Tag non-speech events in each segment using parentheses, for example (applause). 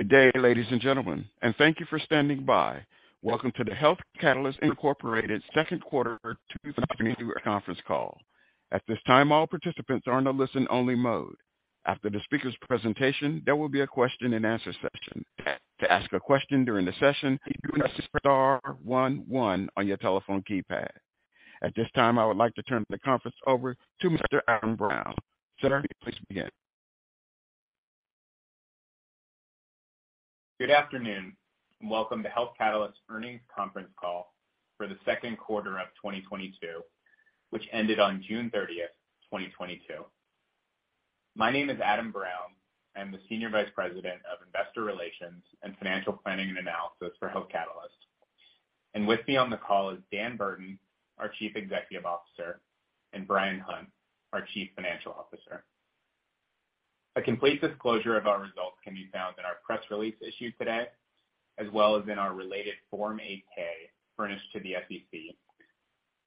Good day, ladies and gentlemen, and thank you for standing by. Welcome to the Health Catalyst, Inc. Second Quarter 2022 Earnings Conference Call. At this time, all participants are in a listen-only mode. After the speaker's presentation, there will be a question-and-answer session. To ask a question during the session, press star one one on your telephone keypad. At this time, I would like to turn the conference over to Mr. Adam Brown. Sir, please begin. Good afternoon, and welcome to Health Catalyst's earnings conference call for the second quarter of 2022, which ended on June 30, 2022. My name is Adam Brown. I'm the Senior Vice President of Investor Relations and Financial Planning and Analysis for Health Catalyst. With me on the call is Dan Burton, our Chief Executive Officer, and Bryan Hunt, our Chief Financial Officer. A complete disclosure of our results can be found in our press release issued today, as well as in our related Form 8-K furnished to the SEC,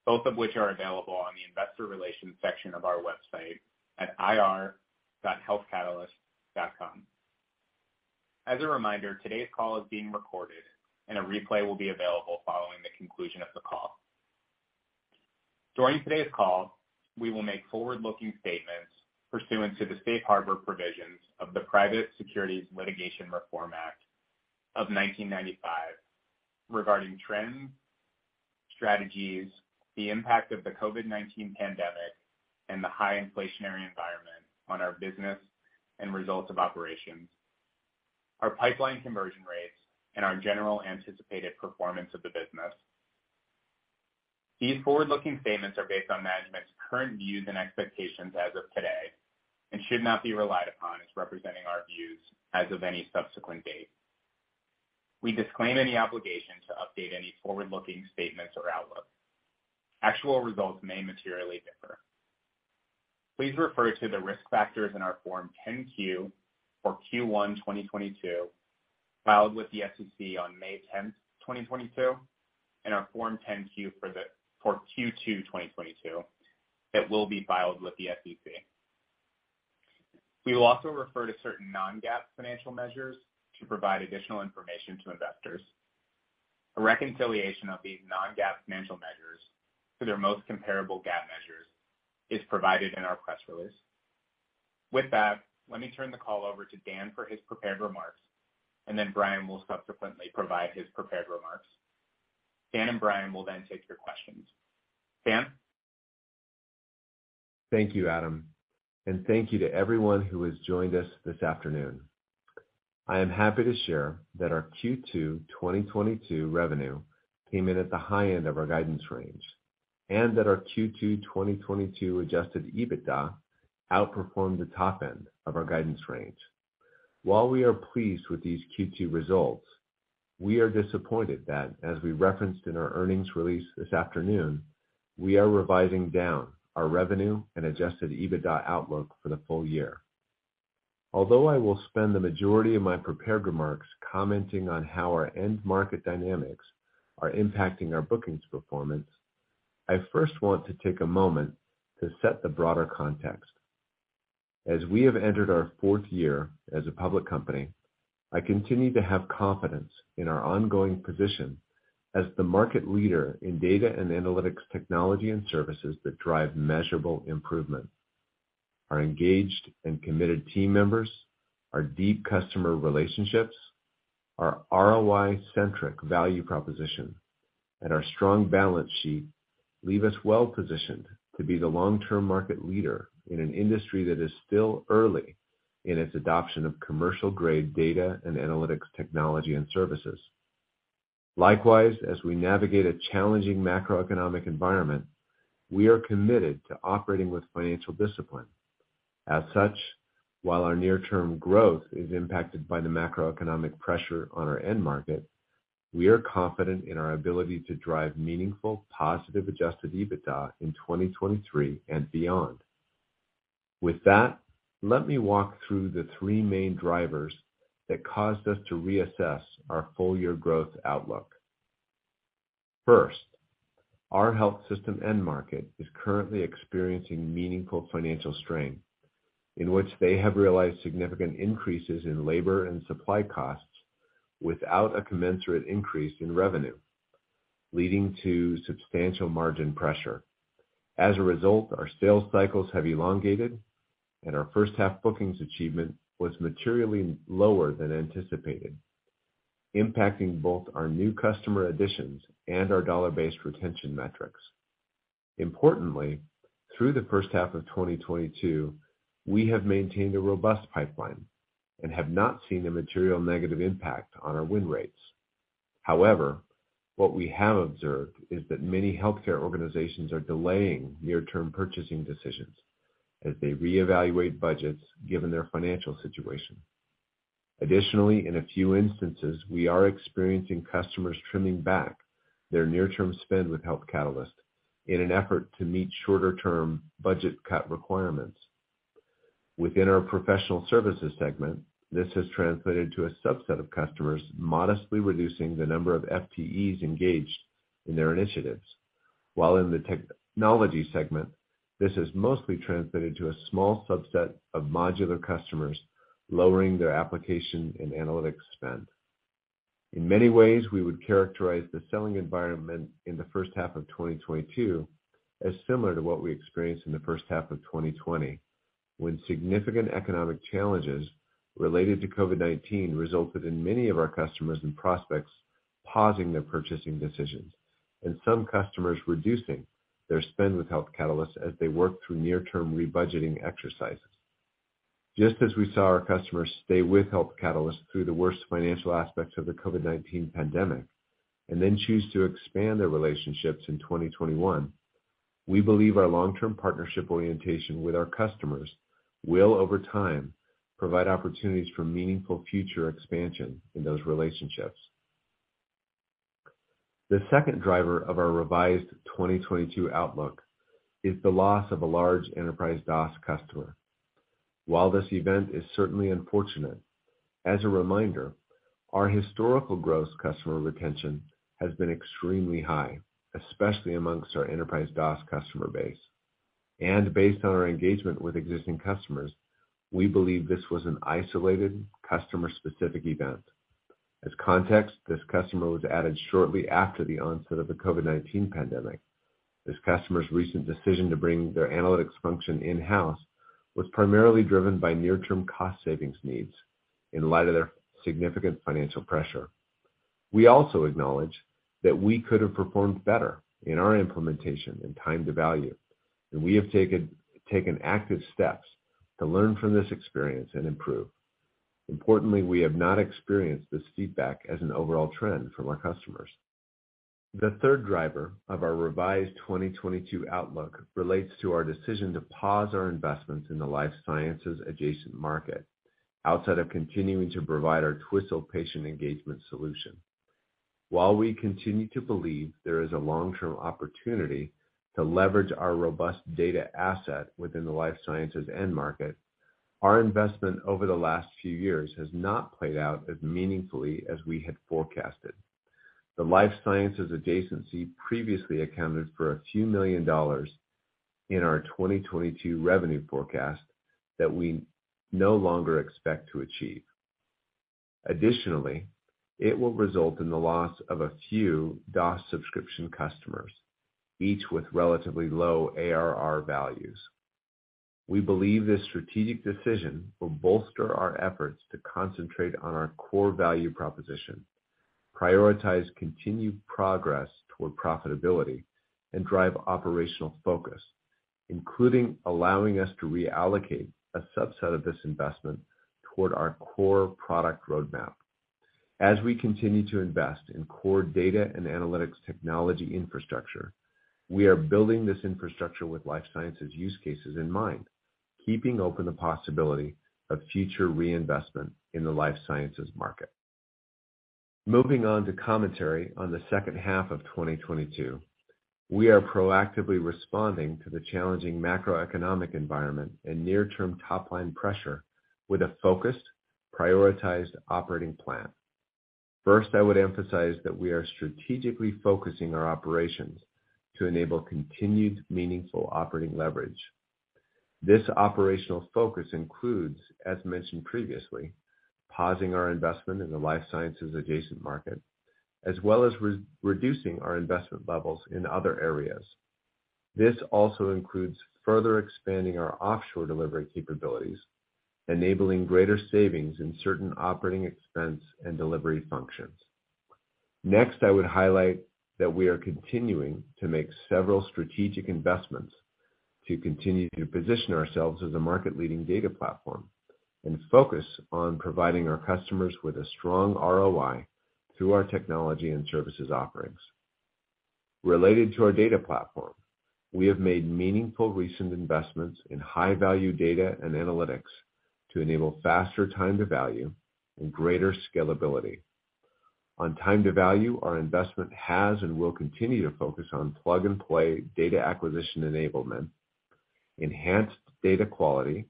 both of which are available on the Investor Relations section of our website at ir.healthcatalyst.com. As a reminder, today's call is being recorded and a replay will be available following the conclusion of the call. During today's call, we will make forward-looking statements pursuant to the Safe Harbor provisions of the Private Securities Litigation Reform Act of 1995 regarding trends, strategies, the impact of the COVID-19 pandemic and the high inflationary environment on our business and results of operations, our pipeline conversion rates, and our general anticipated performance of the business. These forward-looking statements are based on management's current views and expectations as of today and should not be relied upon as representing our views as of any subsequent date. We disclaim any obligation to update any forward-looking statements or outlook. Actual results may materially differ. Please refer to the risk factors in our Form 10-Q for Q1 2022 filed with the SEC on May 10, 2022, and our Form 10-Q for Q2 2022 that will be filed with the SEC. We will also refer to certain non-GAAP financial measures to provide additional information to investors. A reconciliation of these non-GAAP financial measures to their most comparable GAAP measures is provided in our press release. With that, let me turn the call over to Dan for his prepared remarks, and then Bryan will subsequently provide his prepared remarks. Dan and Bryan will then take your questions. Dan? Thank you, Adam, and thank you to everyone who has joined us this afternoon. I am happy to share that our Q2 2022 revenue came in at the high end of our guidance range and that our Q2 2022 Adjusted EBITDA outperformed the top end of our guidance range. While we are pleased with these Q2 results, we are disappointed that, as we referenced in our earnings release this afternoon, we are revising down our revenue and Adjusted EBITDA outlook for the full year. Although I will spend the majority of my prepared remarks commenting on how our end market dynamics are impacting our bookings performance, I first want to take a moment to set the broader context. As we have entered our fourth year as a public company, I continue to have confidence in our ongoing position as the market leader in data and analytics technology and services that drive measurable improvement. Our engaged and committed team members, our deep customer relationships, our ROI-centric value proposition, and our strong balance sheet leave us well positioned to be the long-term market leader in an industry that is still early in its adoption of commercial-grade data and analytics technology and services. Likewise, as we navigate a challenging macroeconomic environment, we are committed to operating with financial discipline. As such, while our near-term growth is impacted by the macroeconomic pressure on our end market, we are confident in our ability to drive meaningful positive Adjusted EBITDA in 2023 and beyond. With that, let me walk through the three main drivers that caused us to reassess our full-year growth outlook. First, our health system end market is currently experiencing meaningful financial strain in which they have realized significant increases in labor and supply costs without a commensurate increase in revenue, leading to substantial margin pressure. As a result, our sales cycles have elongated, and our first half bookings achievement was materially lower than anticipated, impacting both our new customer additions and our dollar-based retention metrics. Importantly, through the first half of 2022, we have maintained a robust pipeline and have not seen a material negative impact on our win rates. However, what we have observed is that many healthcare organizations are delaying near-term purchasing decisions as they reevaluate budgets given their financial situation. Additionally, in a few instances, we are experiencing customers trimming back their near-term spend with Health Catalyst in an effort to meet shorter-term budget cut requirements. Within our Professional Services segment, this has translated to a subset of customers modestly reducing the number of FTEs engaged in their initiatives. While in the Technology segment, this is mostly transmitted to a small subset of modular customers, lowering their application and analytics spend. In many ways, we would characterize the selling environment in the first half of 2022 as similar to what we experienced in the first half of 2020, when significant economic challenges related to COVID-19 resulted in many of our customers and prospects pausing their purchasing decisions and some customers reducing their spend with Health Catalyst as they work through near term rebudgeting exercises. Just as we saw our customers stay with Health Catalyst through the worst financial aspects of the COVID-19 pandemic and then choose to expand their relationships in 2021, we believe our long-term partnership orientation with our customers will over time provide opportunities for meaningful future expansion in those relationships. The second driver of our revised 2022 outlook is the loss of a large enterprise DOS customer. While this event is certainly unfortunate, as a reminder, our historical gross customer retention has been extremely high, especially among our enterprise DOS customer base. Based on our engagement with existing customers, we believe this was an isolated customer-specific event. As context, this customer was added shortly after the onset of the COVID-19 pandemic. This customer's recent decision to bring their analytics function in-house was primarily driven by near term cost savings needs in light of their significant financial pressure. We also acknowledge that we could have performed better in our implementation and time to value, and we have taken active steps to learn from this experience and improve. Importantly, we have not experienced this feedback as an overall trend from our customers. The third driver of our revised 2022 outlook relates to our decision to pause our investments in the life sciences adjacent market outside of continuing to provide our Twistle patient engagement solution. While we continue to believe there is a long term opportunity to leverage our robust data asset within the life sciences end market, our investment over the last few years has not played out as meaningfully as we had forecasted. The life sciences adjacency previously accounted for $a few million in our 2022 revenue forecast that we no longer expect to achieve. Additionally, it will result in the loss of a few DOS subscription customers, each with relatively low ARR values. We believe this strategic decision will bolster our efforts to concentrate on our core value proposition, prioritize continued progress toward profitability, and drive operational focus, including allowing us to reallocate a subset of this investment toward our core product roadmap. As we continue to invest in core data and analytics technology infrastructure, we are building this infrastructure with life sciences use cases in mind, keeping open the possibility of future reinvestment in the life sciences market. Moving on to commentary on the second half of 2022. We are proactively responding to the challenging macroeconomic environment and near term top line pressure with a focused, prioritized operating plan. First, I would emphasize that we are strategically focusing our operations to enable continued meaningful operating leverage. This operational focus includes, as mentioned previously, pausing our investment in the life sciences adjacent market, as well as re-reducing our investment levels in other areas. This also includes further expanding our offshore delivery capabilities, enabling greater savings in certain operating expense and delivery functions. Next, I would highlight that we are continuing to make several strategic investments to continue to position ourselves as a market leading data platform and focus on providing our customers with a strong ROI through our technology and services offerings. Related to our data platform, we have made meaningful recent investments in high value data and analytics to enable faster time to value and greater scalability. On time to value, our investment has and will continue to focus on plug and play data acquisition enablement, enhanced data quality,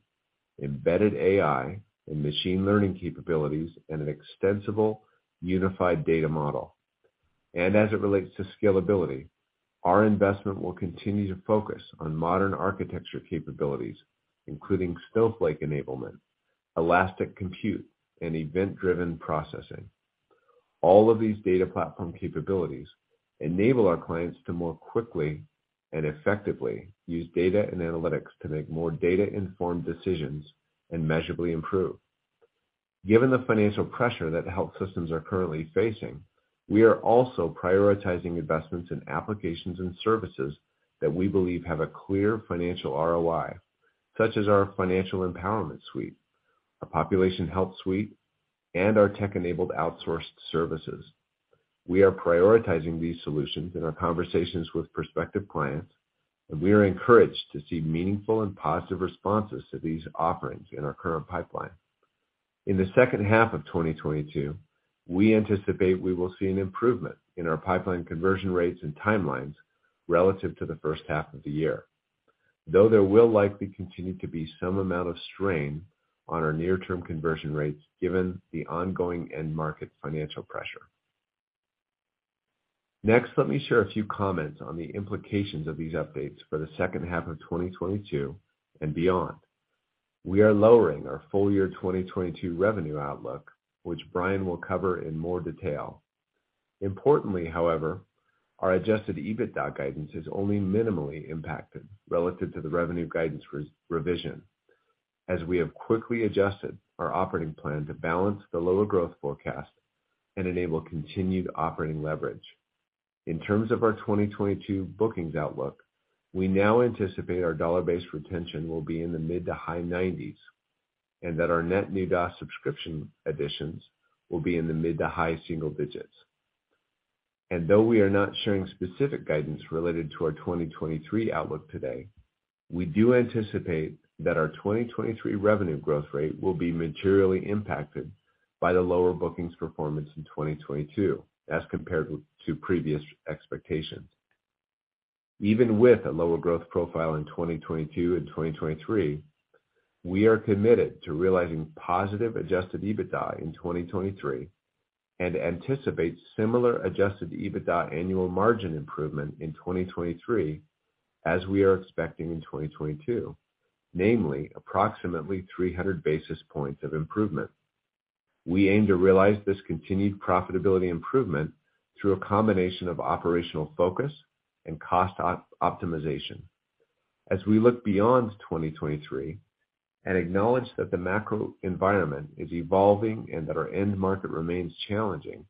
embedded AI and machine learning capabilities, and an extensible unified data model. As it relates to scalability, our investment will continue to focus on modern architecture capabilities, including Snowflake enablement, elastic compute and event driven processing. All of these data platform capabilities enable our clients to more quickly and effectively use data and analytics to make more data informed decisions and measurably improve. Given the financial pressure that health systems are currently facing, we are also prioritizing investments in applications and services that we believe have a clear financial ROI, such as our Financial Empowerment Suite, our Population Health Suite, and our tech enabled outsourced services. We are prioritizing these solutions in our conversations with prospective clients, and we are encouraged to see meaningful and positive responses to these offerings in our current pipeline. In the second half of 2022, we anticipate we will see an improvement in our pipeline conversion rates and timelines relative to the first half of the year. Though there will likely continue to be some amount of strain on our near-term conversion rates given the ongoing end market financial pressure. Next, let me share a few comments on the implications of these updates for the second half of 2022 and beyond. We are lowering our full year 2022 revenue outlook, which Bryan will cover in more detail. Importantly, however, our Adjusted EBITDA guidance is only minimally impacted relative to the revenue guidance revision, as we have quickly adjusted our operating plan to balance the lower growth forecast and enable continued operating leverage. In terms of our 2022 bookings outlook, we now anticipate our dollar-based retention will be in the mid- to high 90s, and that our net new SaaS subscription additions will be in the mid- to high single digits. Though we are not sharing specific guidance related to our 2023 outlook today, we do anticipate that our 2023 revenue growth rate will be materially impacted by the lower bookings performance in 2022 as compared to previous expectations. Even with a lower growth profile in 2022 and 2023, we are committed to realizing positive Adjusted EBITDA in 2023 and anticipate similar Adjusted EBITDA annual margin improvement in 2023 as we are expecting in 2022, namely approximately 300 basis points of improvement. We aim to realize this continued profitability improvement through a combination of operational focus and cost optimization. We look beyond 2023 and acknowledge that the macro environment is evolving and that our end market remains challenging.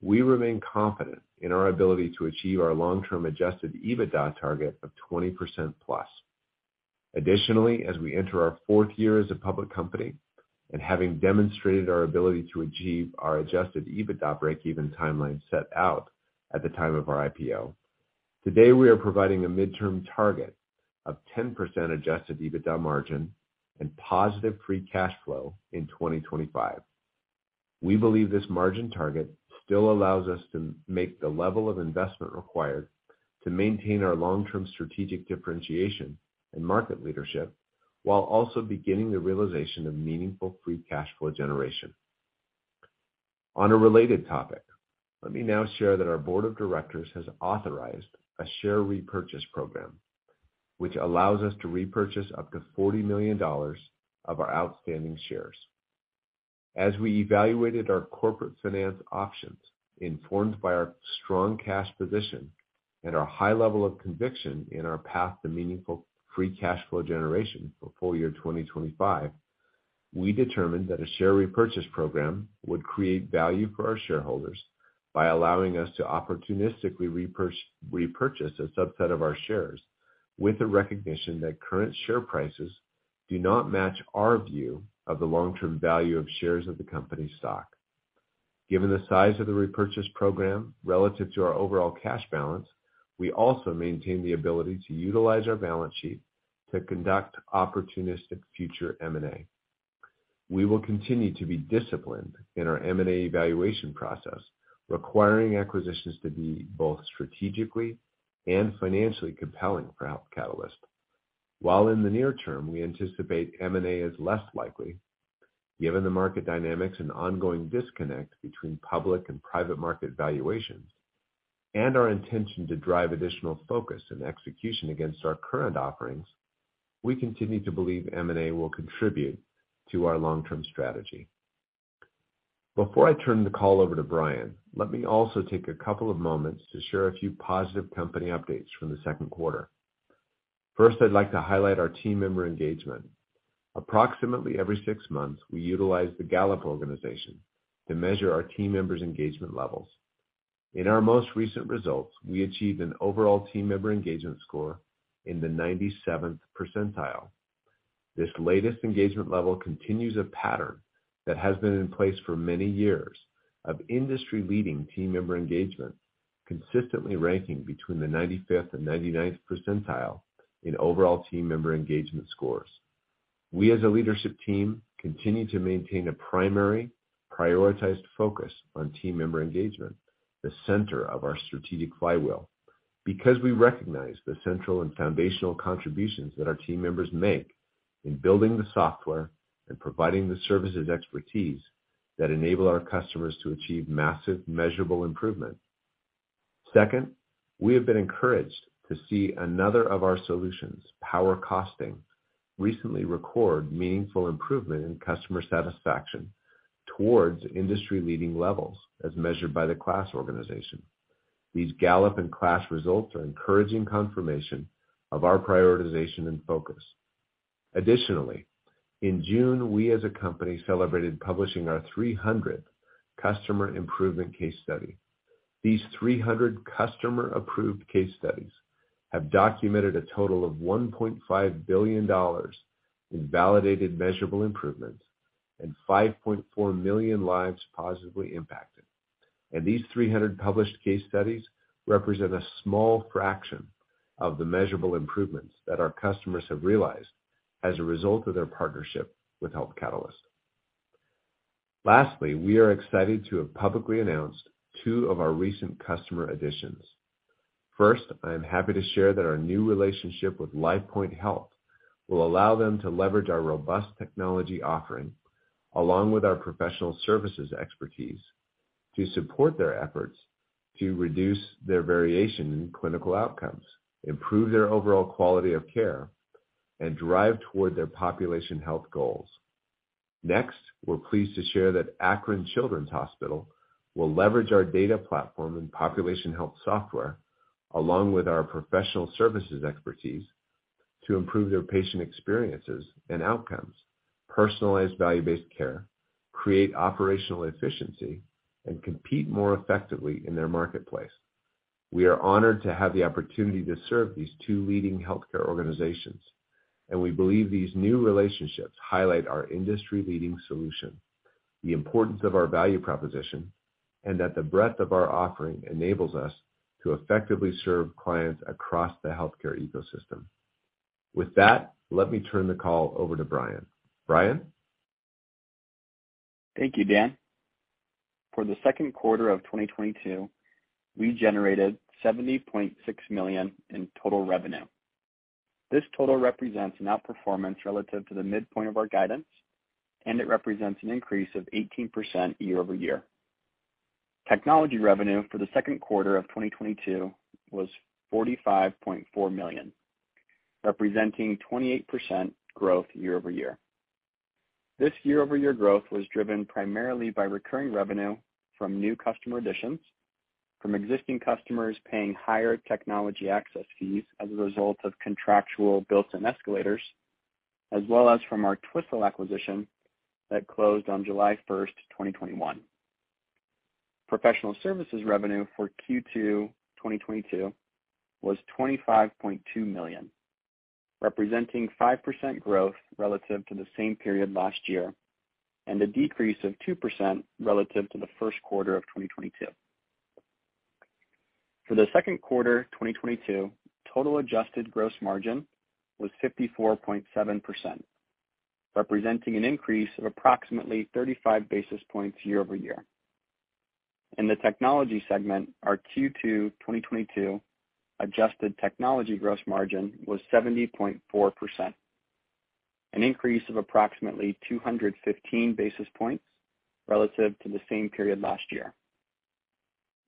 We remain confident in our ability to achieve our long-term Adjusted EBITDA target of 20%+. Additionally, as we enter our fourth year as a public company and having demonstrated our ability to achieve our Adjusted EBITDA breakeven timeline set out at the time of our IPO, today we are providing a midterm target of 10% Adjusted EBITDA margin and positive free cash flow in 2025. We believe this margin target still allows us to make the level of investment required to maintain our long-term strategic differentiation and market leadership, while also beginning the realization of meaningful free cash flow generation. On a related topic, let me now share that our board of directors has authorized a share repurchase program, which allows us to repurchase up to $40 million of our outstanding shares. As we evaluated our corporate finance options, informed by our strong cash position and our high level of conviction in our path to meaningful free cash flow generation for full year 2025, we determined that a share repurchase program would create value for our shareholders by allowing us to opportunistically repurchase a subset of our shares with the recognition that current share prices do not match our view of the long-term value of shares of the company's stock. Given the size of the repurchase program relative to our overall cash balance, we also maintain the ability to utilize our balance sheet to conduct opportunistic future M&A. We will continue to be disciplined in our M&A evaluation process, requiring acquisitions to be both strategically and financially compelling for Health Catalyst. While in the near term, we anticipate M&A as less likely, given the market dynamics and ongoing disconnect between public and private market valuations and our intention to drive additional focus and execution against our current offerings, we continue to believe M&A will contribute to our long-term strategy. Before I turn the call over to Bryan, let me also take a couple of moments to share a few positive company updates from the second quarter. First, I'd like to highlight our team member engagement. Approximately every six months, we utilize the Gallup organization to measure our team members' engagement levels. In our most recent results, we achieved an overall team member engagement score in the ninety-seventh percentile. This latest engagement level continues a pattern that has been in place for many years of industry-leading team member engagement, consistently ranking between the 95th and 99th percentile in overall team member engagement scores. We, as a leadership team, continue to maintain a primary prioritized focus on team member engagement, the center of our strategic flywheel, because we recognize the central and foundational contributions that our team members make in building the software and providing the services expertise that enable our customers to achieve massive measurable improvement. Second, we have been encouraged to see another of our solutions, PowerCosting, recently record meaningful improvement in customer satisfaction towards industry-leading levels as measured by the KLAS organization. These Gallup and KLAS results are encouraging confirmation of our prioritization and focus. Additionally, in June, we as a company celebrated publishing our 300th customer improvement case study. These 300 customer-approved case studies have documented a total of $1.5 billion in validated measurable improvements and 5.4 million lives positively impacted. These 300 published case studies represent a small fraction of the measurable improvements that our customers have realized as a result of their partnership with Health Catalyst. Lastly, we are excited to have publicly announced two of our recent customer additions. First, I am happy to share that our new relationship with Lifepoint Health will allow them to leverage our robust Technology offering, along with our Professional Services expertise to support their efforts to reduce their variation in clinical outcomes, improve their overall quality of care, and drive toward their population health goals. Next, we're pleased to share that Akron Children's Hospital will leverage our data platform and population health software along with our Professional Services expertise to improve their patient experiences and outcomes, personalize value-based care, create operational efficiency, and compete more effectively in their marketplace. We are honored to have the opportunity to serve these two leading healthcare organizations, and we believe these new relationships highlight our industry-leading solution, the importance of our value proposition, and that the breadth of our offering enables us to effectively serve clients across the healthcare ecosystem. With that, let me turn the call over to Bryan. Bryan? Thank you, Dan. For the second quarter of 2022, we generated $70.6 million in total revenue. This total represents an outperformance relative to the midpoint of our guidance, and it represents an increase of 18% year-over-year. Technology revenue for the second quarter of 2022 was $45.4 million, representing 28% growth year-over-year. This year-over-year growth was driven primarily by recurring revenue from new customer additions, from existing customers paying higher technology access fees as a result of contractual built-in escalators, as well as from our Twistle acquisition that closed on July 1, 2021. Professional Services revenue for Q2 2022 was $25.2 million, representing 5% growth relative to the same period last year, and a decrease of 2% relative to the first quarter of 2022. For the Q2 2022, total adjusted gross margin was 54.7%, representing an increase of approximately 35 basis points year-over-year. In the Technology segment, our Q2 2022 adjusted Technology gross margin was 70.4%, an increase of approximately 215 basis points relative to the same period last year.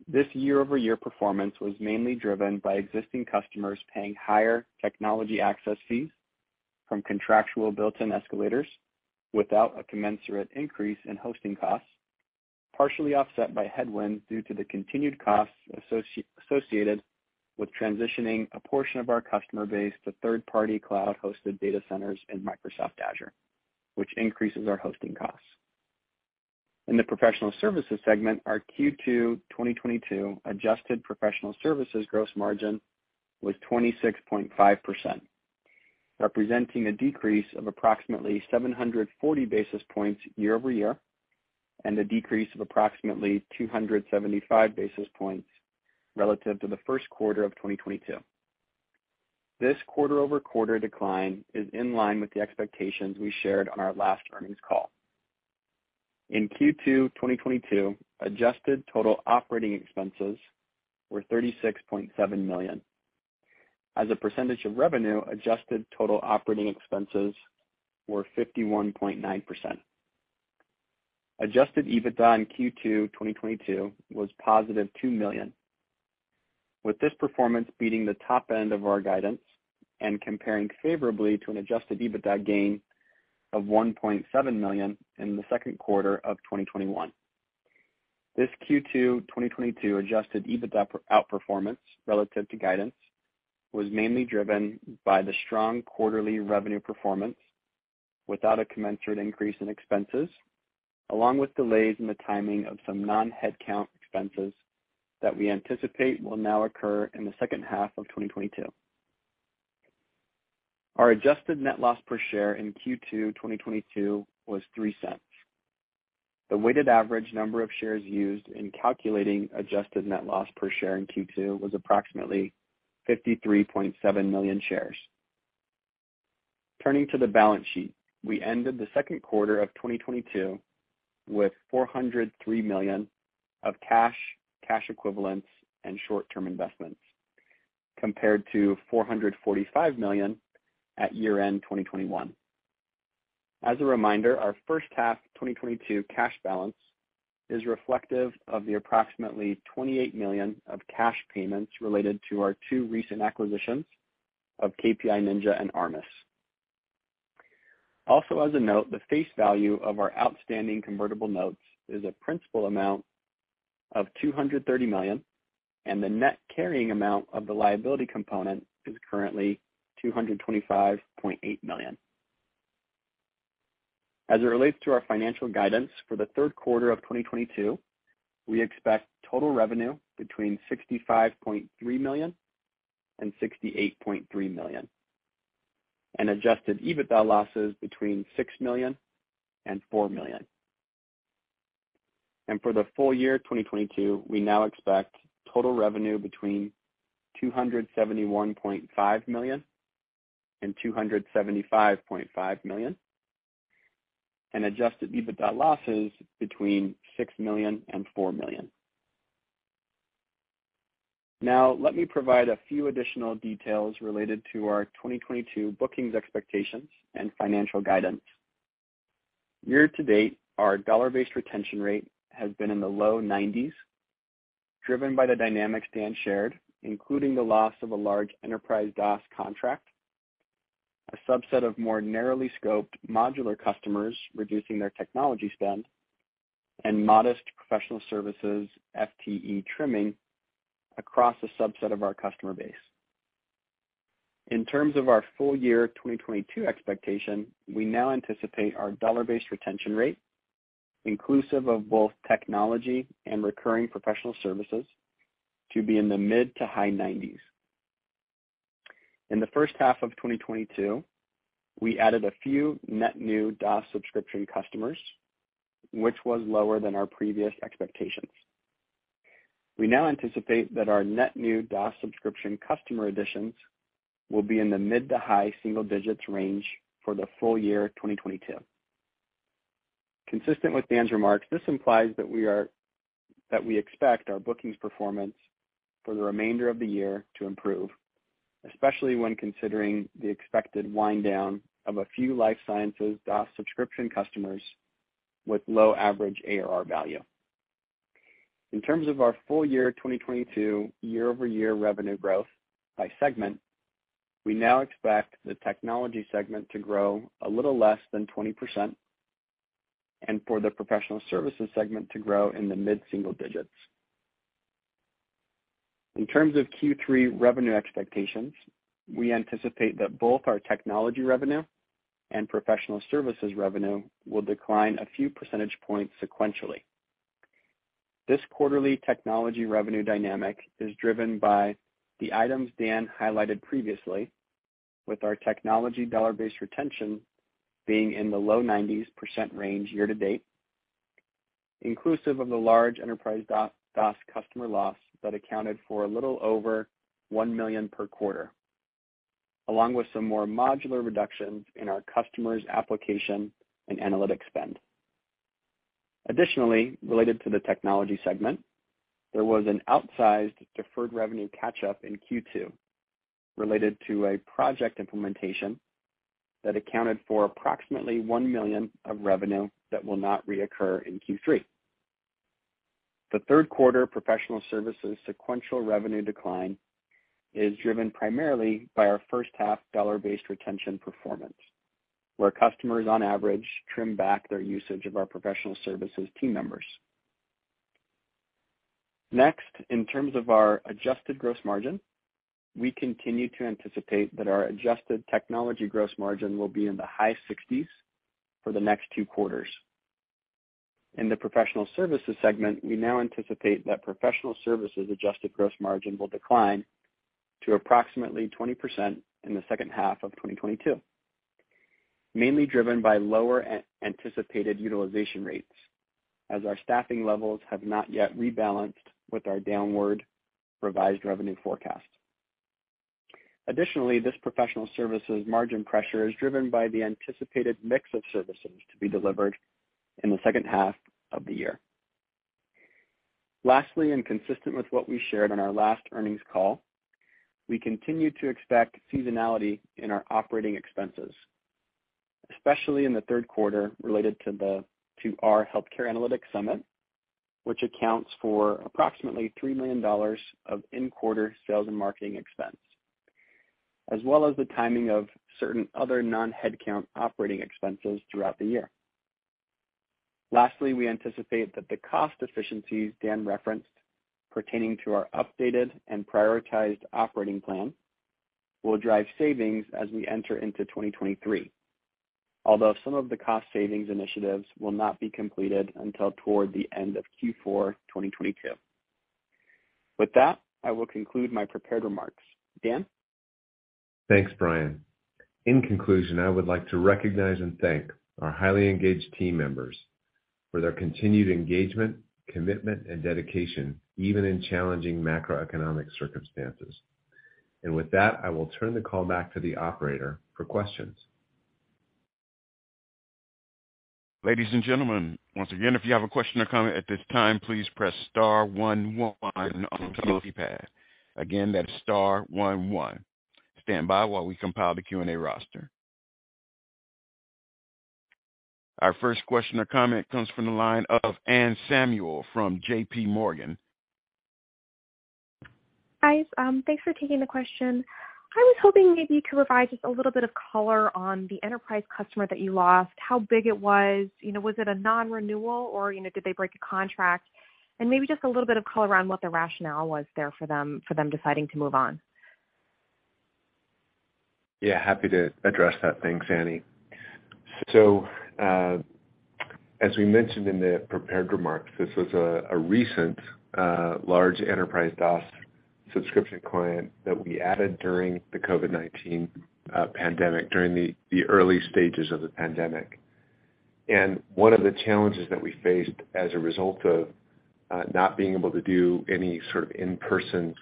This year-over-year performance was mainly driven by existing customers paying higher technology access fees from contractual built-in escalators without a commensurate increase in hosting costs, partially offset by headwinds due to the continued costs associated with transitioning a portion of our customer base to third-party cloud-hosted data centers in Microsoft Azure, which increases our hosting costs. In the Professional Services segment, our Q2 2022 adjusted Professional Services gross margin was 26.5%, representing a decrease of approximately 740 basis points year-over-year, and a decrease of approximately 275 basis points relative to the first quarter of 2022. This quarter-over-quarter decline is in line with the expectations we shared on our last earnings call. In Q2 2022, adjusted total operating expenses were $36.7 million. As a percentage of revenue, adjusted total operating expenses were 51.9%. Adjusted EBITDA in Q2 2022 was positive $2 million, with this performance beating the top end of our guidance and comparing favorably to an Adjusted EBITDA gain of $1.7 million in the second quarter of 2021. This Q2 2022 Adjusted EBITDA outperformance relative to guidance was mainly driven by the strong quarterly revenue performance without a commensurate increase in expenses, along with delays in the timing of some non-headcount expenses that we anticipate will now occur in the second half of 2022. Our adjusted net loss per share in Q2 2022 was $0.03. The weighted average number of shares used in calculating adjusted net loss per share in Q2 was approximately 53.7 million shares. Turning to the balance sheet, we ended the second quarter of 2022 with $403 million of cash equivalents, and short-term investments, compared to $445 million at year-end 2021. As a reminder, our first half 2022 cash balance is reflective of the approximately $28 million of cash payments related to our two recent acquisitions of KPI Ninja and ARMUS. Also as a note, the face value of our outstanding convertible notes is a principal amount of $230 million, and the net carrying amount of the liability component is currently $225.8 million. As it relates to our financial guidance for the third quarter of 2022, we expect total revenue between $65.3 million-$68.3 million and Adjusted EBITDA losses between $6 million-$4 million. For the full year 2022, we now expect total revenue between $271.5 million-$275.5 million, and Adjusted EBITDA losses between $6 million-$4 million. Now, let me provide a few additional details related to our 2022 bookings expectations and financial guidance. Year to date, our dollar-based retention rate has been in the low 90s, driven by the dynamics Dan shared, including the loss of a large enterprise DOS contract, a subset of more narrowly scoped modular customers reducing their Technology spend, and modest Professional Services FTE trimming across a subset of our customer base. In terms of our full-year 2022 expectation, we now anticipate our dollar-based retention rate, inclusive of both Technology and recurring Professional Services, to be in the mid to high 90s. In the first half of 2022, we added a few net new DOS subscription customers, which was lower than our previous expectations. We now anticipate that our net new DOS subscription customer additions will be in the mid- to high single digits range for the full year 2022. Consistent with Dan's remarks, this implies that we expect our bookings performance for the remainder of the year to improve, especially when considering the expected wind down of a few life sciences DOS subscription customers with low average ARR value. In terms of our full-year 2022 year-over-year revenue growth by segment, we now expect the Technology segment to grow a little less than 20% and for the Professional Services segment to grow in the mid-single digits. In terms of Q3 revenue expectations, we anticipate that both our Technology revenue and Professional Services revenue will decline a few percentage points sequentially. This quarterly Technology revenue dynamic is driven by the items Dan highlighted previously, with our Technology dollar-based retention being in the low 90s percent range year-to-date, inclusive of the large enterprise DOS customer loss that accounted for a little over $1 million per quarter, along with some more modular reductions in our customers' application and analytic spend. Additionally, related to the Technology segment, there was an outsized deferred revenue catch-up in Q2 related to a project implementation that accounted for approximately $1 million of revenue that will not reoccur in Q3. The third quarter Professional Services sequential revenue decline is driven primarily by our first half dollar-based retention performance, where customers on average trim back their usage of our Professional Services team members. Next, in terms of our adjusted gross margin, we continue to anticipate that our adjusted Technology gross margin will be in the high 60s for the next two quarters. In the Professional Services segment, we now anticipate that Professional Services adjusted gross margin will decline to approximately 20% in the second half of 2022, mainly driven by lower-than-anticipated utilization rates as our staffing levels have not yet rebalanced with our downward revised revenue forecast. Additionally, this Professional Services margin pressure is driven by the anticipated mix of services to be delivered in the second half of the year. Lastly, consistent with what we shared on our last earnings call, we continue to expect seasonality in our operating expenses, especially in the third quarter related to our Healthcare Analytics Summit, which accounts for approximately $3 million of in-quarter sales and marketing expense, as well as the timing of certain other non-headcount operating expenses throughout the year. Lastly, we anticipate that the cost efficiencies Dan referenced pertaining to our updated and prioritized operating plan will drive savings as we enter into 2023. Although some of the cost savings initiatives will not be completed until toward the end of Q4 2022. With that, I will conclude my prepared remarks. Dan? Thanks, Bryan. In conclusion, I would like to recognize and thank our highly engaged team members for their continued engagement, commitment and dedication, even in challenging macroeconomic circumstances. With that, I will turn the call back to the operator for questions. Ladies and gentlemen, once again, if you have a question or comment at this time, please press star one one on your telephone keypad. Again, that's star one one. Stand by while we compile the Q&A roster. Our first question or comment comes from the line of Anne Samuel from JPMorgan. Hi. Thanks for taking the question. I was hoping maybe you could provide just a little bit of color on the enterprise customer that you lost, how big it was. You know, was it a non-renewal or, you know, did they break a contract? Maybe just a little bit of color around what the rationale was there for them deciding to move on. Yeah, happy to address that. Thanks, Annie. As we mentioned in the prepared remarks, this was a recent large enterprise DOS subscription client that we added during the COVID-19 pandemic, during the early stages of the pandemic. One of the challenges that we faced as a result of not being able to do any sort of in-person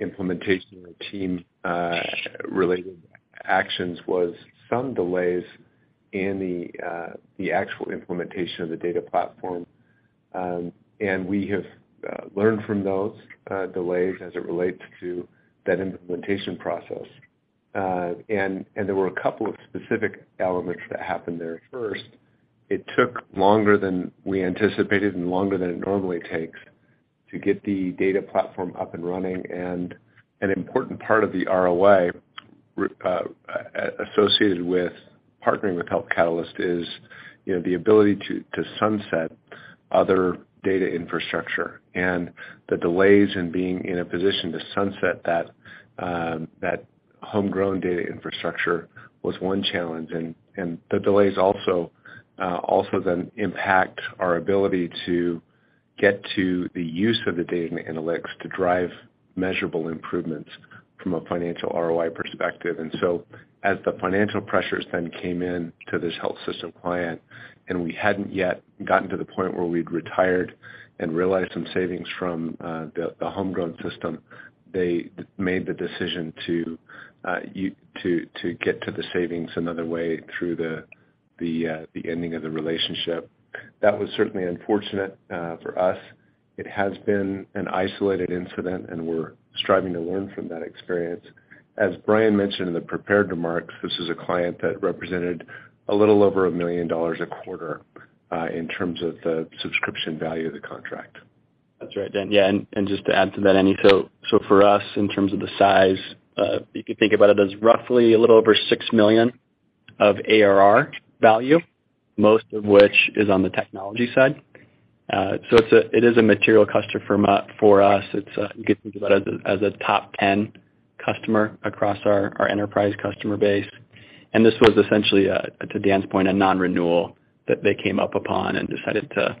implementation or team related actions was some delays in the actual implementation of the data platform. We have learned from those delays as it relates to that implementation process. There were a couple of specific elements that happened there. First, it took longer than we anticipated and longer than it normally takes to get the data platform up and running. An important part of the ROI associated with partnering with Health Catalyst is, you know, the ability to sunset other data infrastructure. The delays in being in a position to sunset that homegrown data infrastructure was one challenge. The delays also then impact our ability to get to the use of the data and analytics to drive measurable improvements from a financial ROI perspective. As the financial pressures then came in to this health system client, and we hadn't yet gotten to the point where we'd retired and realized some savings from the homegrown system, they made the decision to get to the savings another way through the ending of the relationship. That was certainly unfortunate for us. It has been an isolated incident, and we're striving to learn from that experience. As Bryan mentioned in the prepared remarks, this is a client that represented a little over $1 million a quarter in terms of the subscription value of the contract. That's right, Dan. Yeah, and just to add to that, Anne. For us, in terms of the size, you could think about it as roughly a little over $6 million of ARR value, most of which is on the Technology side. It is a material customer for us. You can think about it as a top 10 customer across our enterprise customer base. This was essentially, to Dan's point, a non-renewal that they came up upon and decided to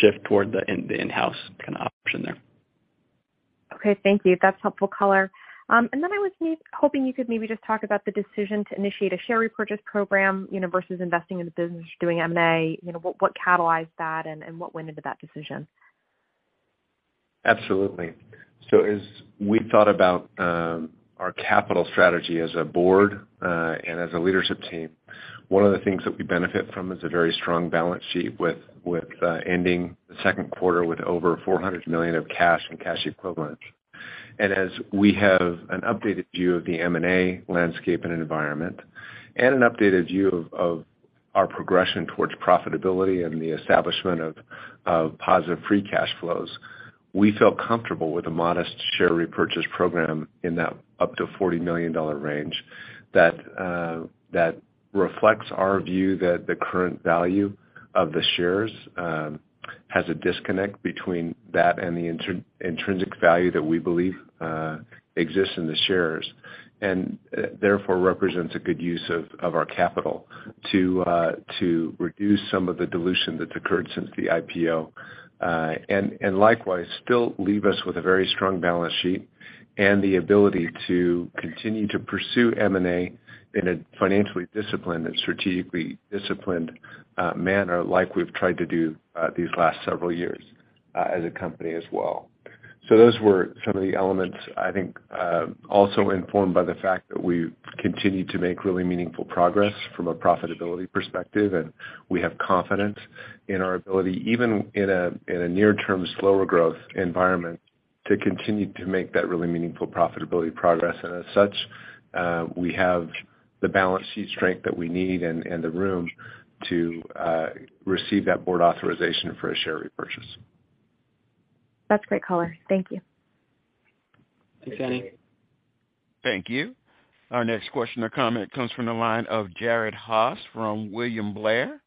shift toward the in-house kind of option there. Okay. Thank you. That's helpful color. I was hoping you could maybe just talk about the decision to initiate a share repurchase program, you know, versus investing in the business, doing M&A. You know, what catalyzed that and what went into that decision? Absolutely. As we thought about our capital strategy as a board and as a leadership team, one of the things that we benefit from is a very strong balance sheet with ending the second quarter with over $400 million of cash and cash equivalents. As we have an updated view of the M&A landscape and environment and an updated view of our progression towards profitability and the establishment of positive free cash flows, we feel comfortable with a modest share repurchase program in that up to $40 million range that reflects our view that the current value of the shares has a disconnect between that and the intrinsic value that we believe exists in the shares. Therefore represents a good use of our capital to reduce some of the dilution that's occurred since the IPO, and likewise still leave us with a very strong balance sheet and the ability to continue to pursue M&A in a financially disciplined and strategically disciplined manner like we've tried to do these last several years as a company as well. Those were some of the elements, I think, also informed by the fact that we've continued to make really meaningful progress from a profitability perspective, and we have confidence in our ability, even in a near-term slower growth environment, to continue to make that really meaningful profitability progress. As such, we have the balance sheet strength that we need and the room to receive that board authorization for a share repurchase. That's great color. Thank you. Thanks, Anne. Thank you. Thank you. Our next question or comment comes from the line of Jared Haase from William Blair.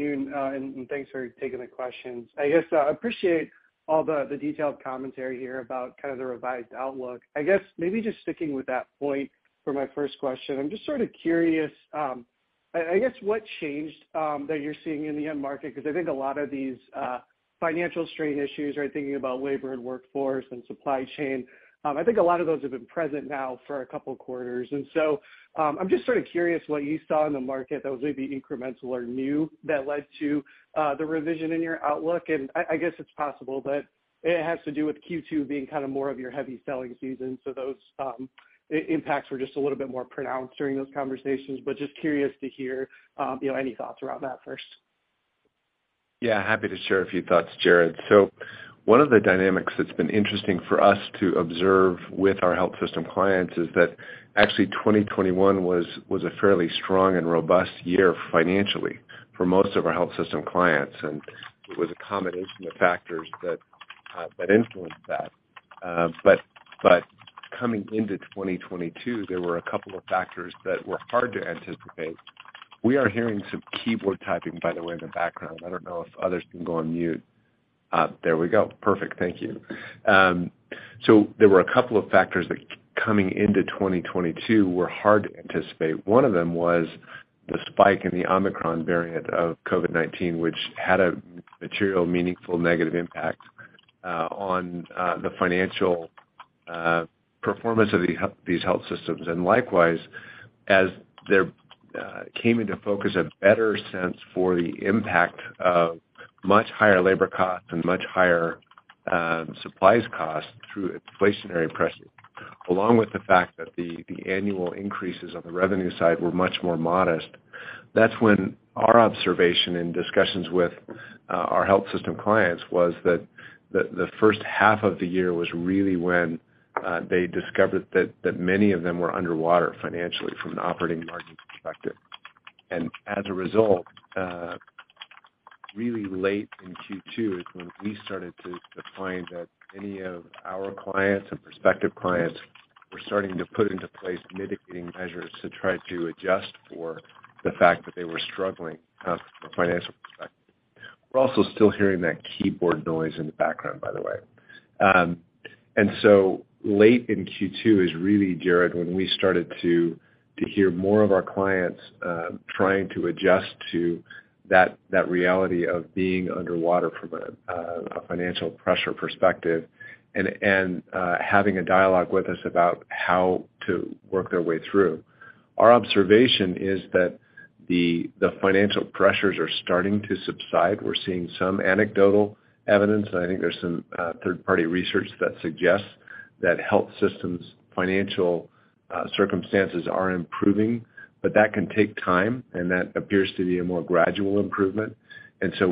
Thanks for taking the questions. I guess I appreciate all the detailed commentary here about kind of the revised outlook. I guess maybe just sticking with that point for my first question. I'm just sort of curious, I guess, what changed that you're seeing in the end market? 'Cause I think a lot of these financial strain issues, right, thinking about labor and workforce and supply chain, I think a lot of those have been present now for a couple quarters. I'm just sort of curious what you saw in the market that was maybe incremental or new that led to the revision in your outlook. I guess it's possible that it has to do with Q2 being kind of more of your heavy selling season, so those impacts were just a little bit more pronounced during those conversations. Just curious to hear, you know, any thoughts around that first. Yeah, happy to share a few thoughts, Jared. One of the dynamics that's been interesting for us to observe with our health system clients is that actually 2021 was a fairly strong and robust year financially for most of our health system clients, and it was a combination of factors that influenced that. But coming into 2022, there were a couple of factors that were hard to anticipate. One of them was the spike in the Omicron variant of COVID-19, which had a material, meaningful negative impact on the financial performance of these health systems. Likewise, as there came into focus a better sense for the impact of much higher labor costs and much higher supplies costs through inflationary pressures, along with the fact that the annual increases on the revenue side were much more modest. That's when our observation in discussions with our health system clients was that the first half of the year was really when they discovered that many of them were underwater financially from an operating margin perspective. As a result, really late in Q2 is when we started to find that many of our clients and prospective clients were starting to put into place mitigating measures to try to adjust for the fact that they were struggling from a financial perspective. We're also still hearing that keyboard noise in the background, by the way. Late in Q2 is really, Jared, when we started to hear more of our clients trying to adjust to that reality of being underwater from a financial pressure perspective and having a dialogue with us about how to work their way through. Our observation is that the financial pressures are starting to subside. We're seeing some anecdotal evidence, and I think there's some third-party research that suggests that health systems' financial circumstances are improving. But that can take time, and that appears to be a more gradual improvement.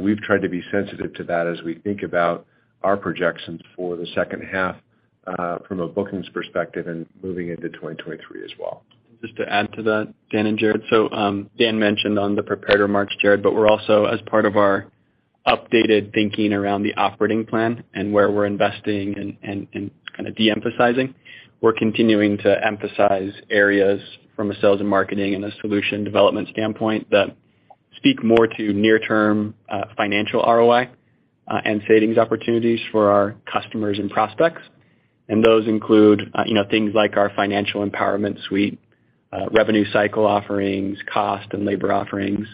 We've tried to be sensitive to that as we think about our projections for the second half from a bookings perspective and moving into 2023 as well. Just to add to that, Dan and Jared. Dan mentioned on the prepared remarks, Jared, but we're also as part of our updated thinking around the operating plan and where we're investing and kind of de-emphasizing. We're continuing to emphasize areas from a sales and marketing and a solution development standpoint that speak more to near-term financial ROI and savings opportunities for our customers and prospects. Those include, you know, things like our Financial Empowerment Suite, revenue cycle offerings, cost and labor offerings,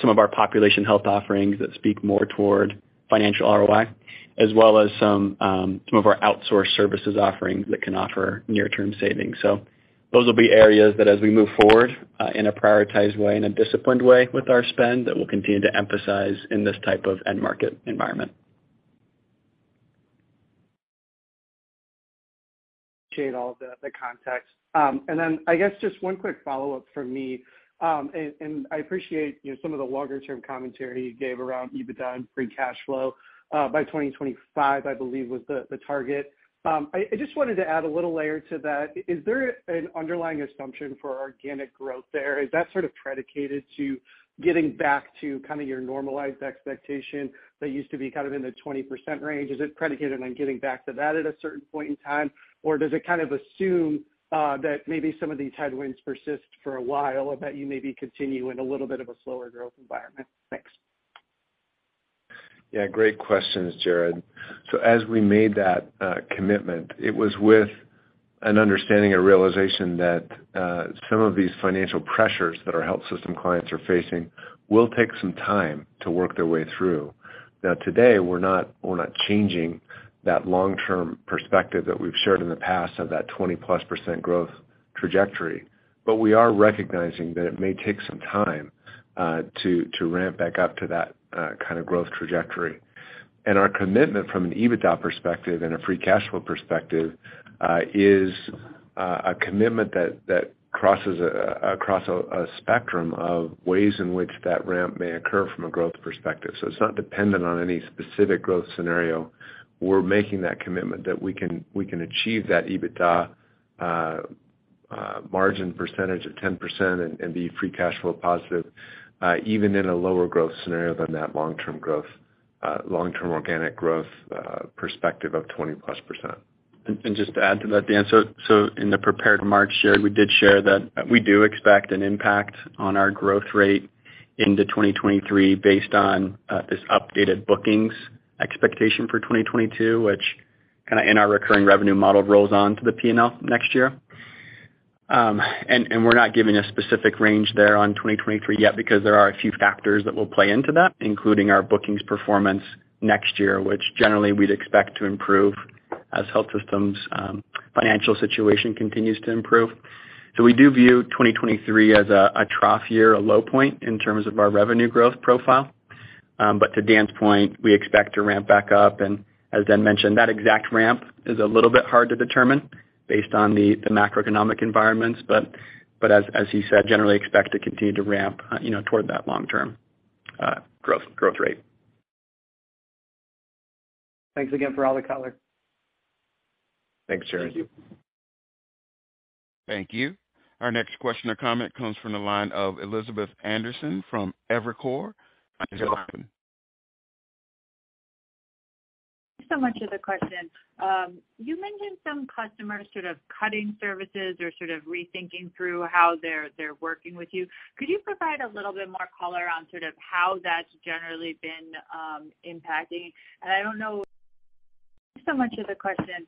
some of our population health offerings that speak more toward financial ROI, as well as some of our outsourced services offerings that can offer near-term savings. Those will be areas that as we move forward, in a prioritized way and a disciplined way with our spend, that we'll continue to emphasize in this type of end market environment. Appreciate all the context. I guess just one quick follow-up from me. I appreciate, you know, some of the longer-term commentary you gave around EBITDA and free cash flow by 2025, I believe was the target. I just wanted to add a little layer to that. Is there an underlying assumption for organic growth there? Is that sort of predicated to getting back to kind of your normalized expectation that used to be kind of in the 20% range? Is it predicated on getting back to that at a certain point in time? Or does it kind of assume that maybe some of these headwinds persist for a while and that you maybe continue in a little bit of a slower growth environment? Thanks. Yeah, great questions, Jared. As we made that commitment, it was with an understanding and realization that some of these financial pressures that our health system clients are facing will take some time to work their way through. Today, we're not changing that long-term perspective that we've shared in the past of that 20%+ growth trajectory. We are recognizing that it may take some time to ramp back up to that kind of growth trajectory. Our commitment from an EBITDA perspective and a free cash flow perspective is a commitment that crosses across a spectrum of ways in which that ramp may occur from a growth perspective. It's not dependent on any specific growth scenario. We're making that commitment that we can achieve that EBITDA margin percentage of 10% and be free cash flow positive, even in a lower growth scenario than that long-term growth, long-term organic growth perspective of 20%+. Just to add to that, Dan, in the prepared remarks shared, we did share that we do expect an impact on our growth rate into 2023 based on this updated bookings expectation for 2022, which kinda in our recurring revenue model rolls on to the P&L next year. We're not giving a specific range there on 2023 yet because there are a few factors that will play into that, including our bookings performance next year, which generally we'd expect to improve as health systems' financial situation continues to improve. We do view 2023 as a trough year, a low point in terms of our revenue growth profile. To Dan's point, we expect to ramp back up. As Dan mentioned, that exact ramp is a little bit hard to determine based on the macroeconomic environments, but as he said, generally expect to continue to ramp, you know, toward that long-term growth rate. Thanks again for all the color. Thanks, Jared. Thank you. Thank you. Our next question or comment comes from the line of Elizabeth Anderson from Evercore. Your line- (audio distortion) so much for the question.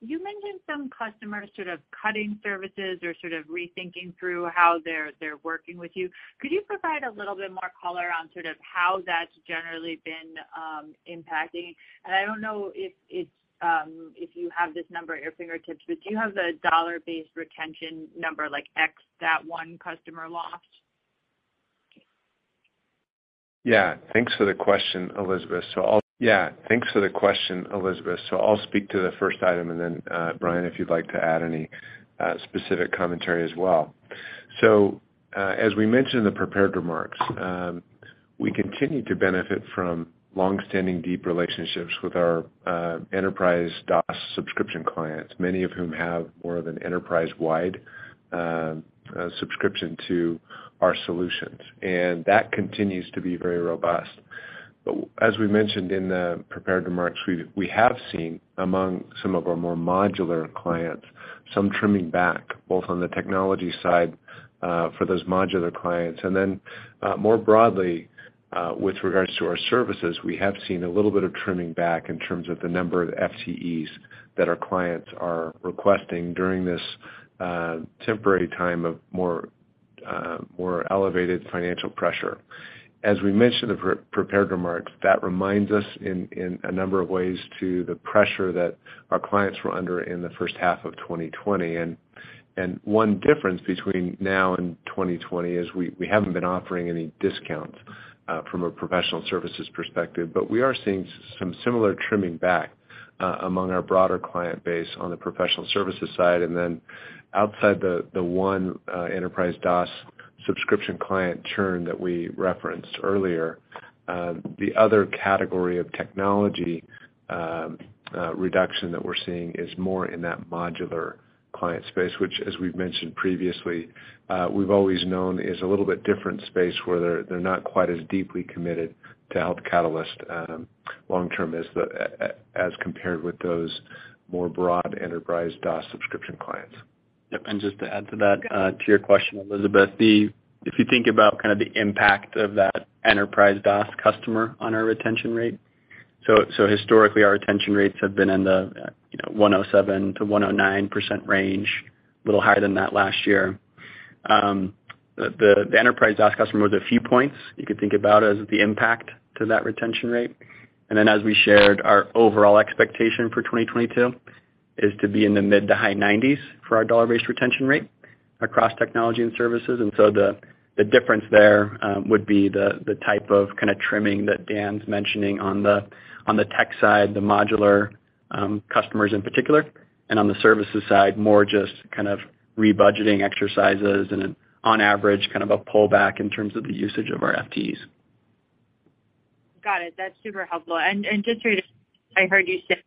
You mentioned some customers sort of cutting services or sort of rethinking through how they're working with you. Could you provide a little bit more color on sort of how that's generally been impacting? And I don't know if you have this number at your fingertips, but do you have the dollar-based retention number, like X that one customer lost? Yeah. Thanks for the question, Elizabeth. I'll speak to the first item, and then, Bryan, if you'd like to add any specific commentary as well. As we mentioned in the prepared remarks, we continue to benefit from long-standing deep relationships with our enterprise DOS subscription clients, many of whom have more of an enterprise-wide subscription to our solutions. That continues to be very robust. As we mentioned in the prepared remarks, we have seen among some of our more modular clients some trimming back, both on the Technology side, for those modular clients, and then, more broadly, with regards to our services, we have seen a little bit of trimming back in terms of the number of FTEs that our clients are requesting during this temporary time of more elevated financial pressure. As we mentioned in the prepared remarks, that reminds us in a number of ways to the pressure that our clients were under in the first half of 2020. One difference between now and 2020 is we haven't been offering any discounts from a Professional Services perspective, but we are seeing some similar trimming back among our broader client base on the Professional Services side. Outside the one enterprise DOS subscription client churn that we referenced earlier, the other category of Technology reduction that we're seeing is more in that modular client space, which as we've mentioned previously, we've always known is a little bit different space where they're not quite as deeply committed to Health Catalyst long term as compared with those more broad enterprise DOS subscription clients. Yep. Just to add to that to your question, Elizabeth, if you think about kind of the impact of that enterprise DOS customer on our retention rate, so historically our retention rates have been in the, you know, 107%-109% range, a little higher than that last year. The enterprise DOS customer was a few points you could think about as the impact to that retention rate. Then as we shared, our overall expectation for 2022 is to be in the mid- to high 90s for our dollar-based retention rate across technology and services. So the difference there would be the type of kind of trimming that Dan's mentioning on the tech side, the modular customers in particular. On the services side, more just kind of rebudgeting exercises and an on average, kind of a pullback in terms of the usage of our FTEs. Got it. That's super helpful. Just to, I heard you say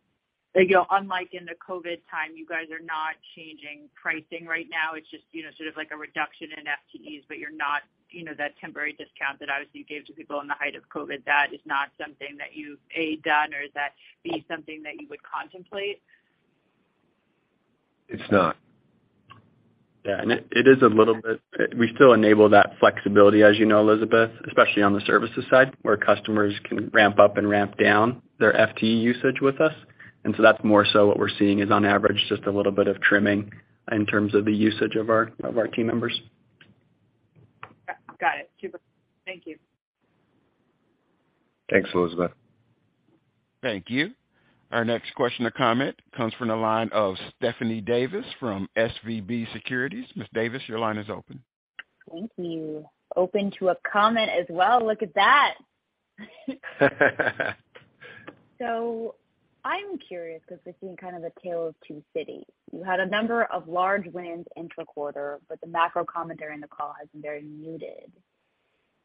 that, you know, unlike in the COVID time, you guys are not changing pricing right now. It's just, you know, sort of like a reduction in FTEs, but you're not, you know, that temporary discount that obviously you gave to people in the height of COVID, that is not something that you've, A, done or is that, B, something that you would contemplate? It's not. Yeah. It is a little bit. We still enable that flexibility, as you know, Elizabeth, especially on the services side, where customers can ramp up and ramp down their FTE usage with us. That's more so what we're seeing is, on average, just a little bit of trimming in terms of the usage of our team members. Got it. Super. Thank you. Thanks, Elizabeth. Thank you. Our next question or comment comes from the line of Stephanie Davis from SVB Securities. Ms. Davis, your line is open. Thank you. Open to a comment as well. Look at that. I'm curious because we're seeing kind of a tale of two cities. You had a number of large wins in the quarter, but the macro commentary in the call has been very muted.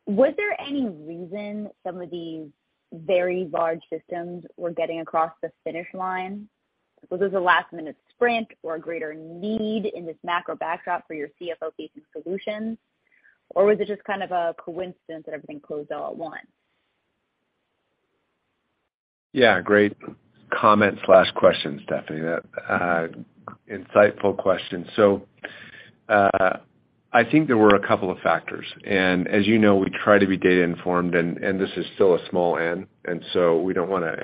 Was there any reason some of these very large systems were getting across the finish line? Was this a last minute sprint or a greater need in this macro backdrop for your CFO-facing solutions, or was it just kind of a coincidence that everything closed all at once? Yeah, great comment/question, Stephanie. That insightful question. I think there were a couple of factors. As you know, we try to be data informed and this is still a small n, so we don't wanna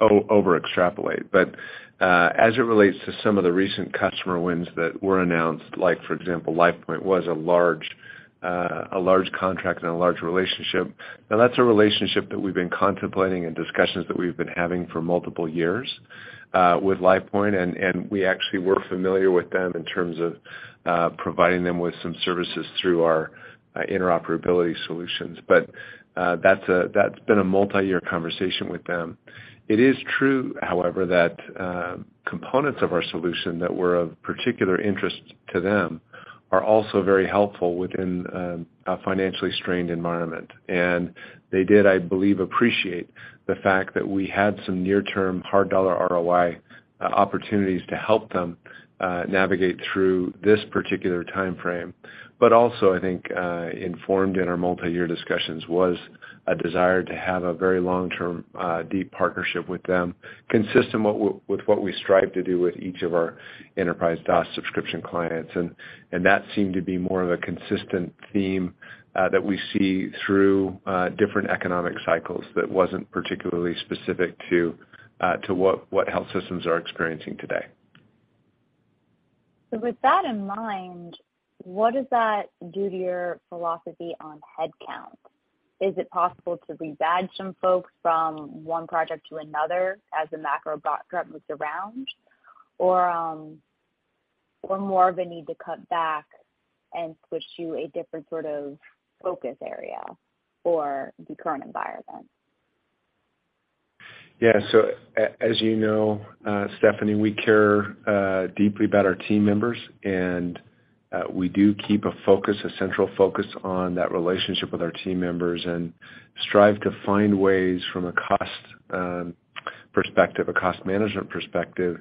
over extrapolate. As it relates to some of the recent customer wins that were announced, like for example, Lifepoint was a large contract and a large relationship. That's a relationship that we've been contemplating and discussions that we've been having for multiple years with Lifepoint, and we actually were familiar with them in terms of providing them with some services through our interoperability solutions. That's been a multi-year conversation with them. It is true, however, that components of our solution that were of particular interest to them are also very helpful within a financially strained environment. They did, I believe, appreciate the fact that we had some near term hard dollar ROI opportunities to help them navigate through this particular timeframe. I think informed in our multi-year discussions was a desire to have a very long-term deep partnership with them, consistent with what we strive to do with each of our enterprise DOS subscription clients. That seemed to be more of a consistent theme that we see through different economic cycles that wasn't particularly specific to what health systems are experiencing today. With that in mind, what does that do to your philosophy on headcount? Is it possible to rebadge some folks from one project to another as the macro backdrop moves around? Or more of a need to cut back and switch to a different sort of focus area for the current environment? You know, Stephanie, we care deeply about our team members, and we do keep a focus, a central focus on that relationship with our team members and strive to find ways from a cost perspective, a cost management perspective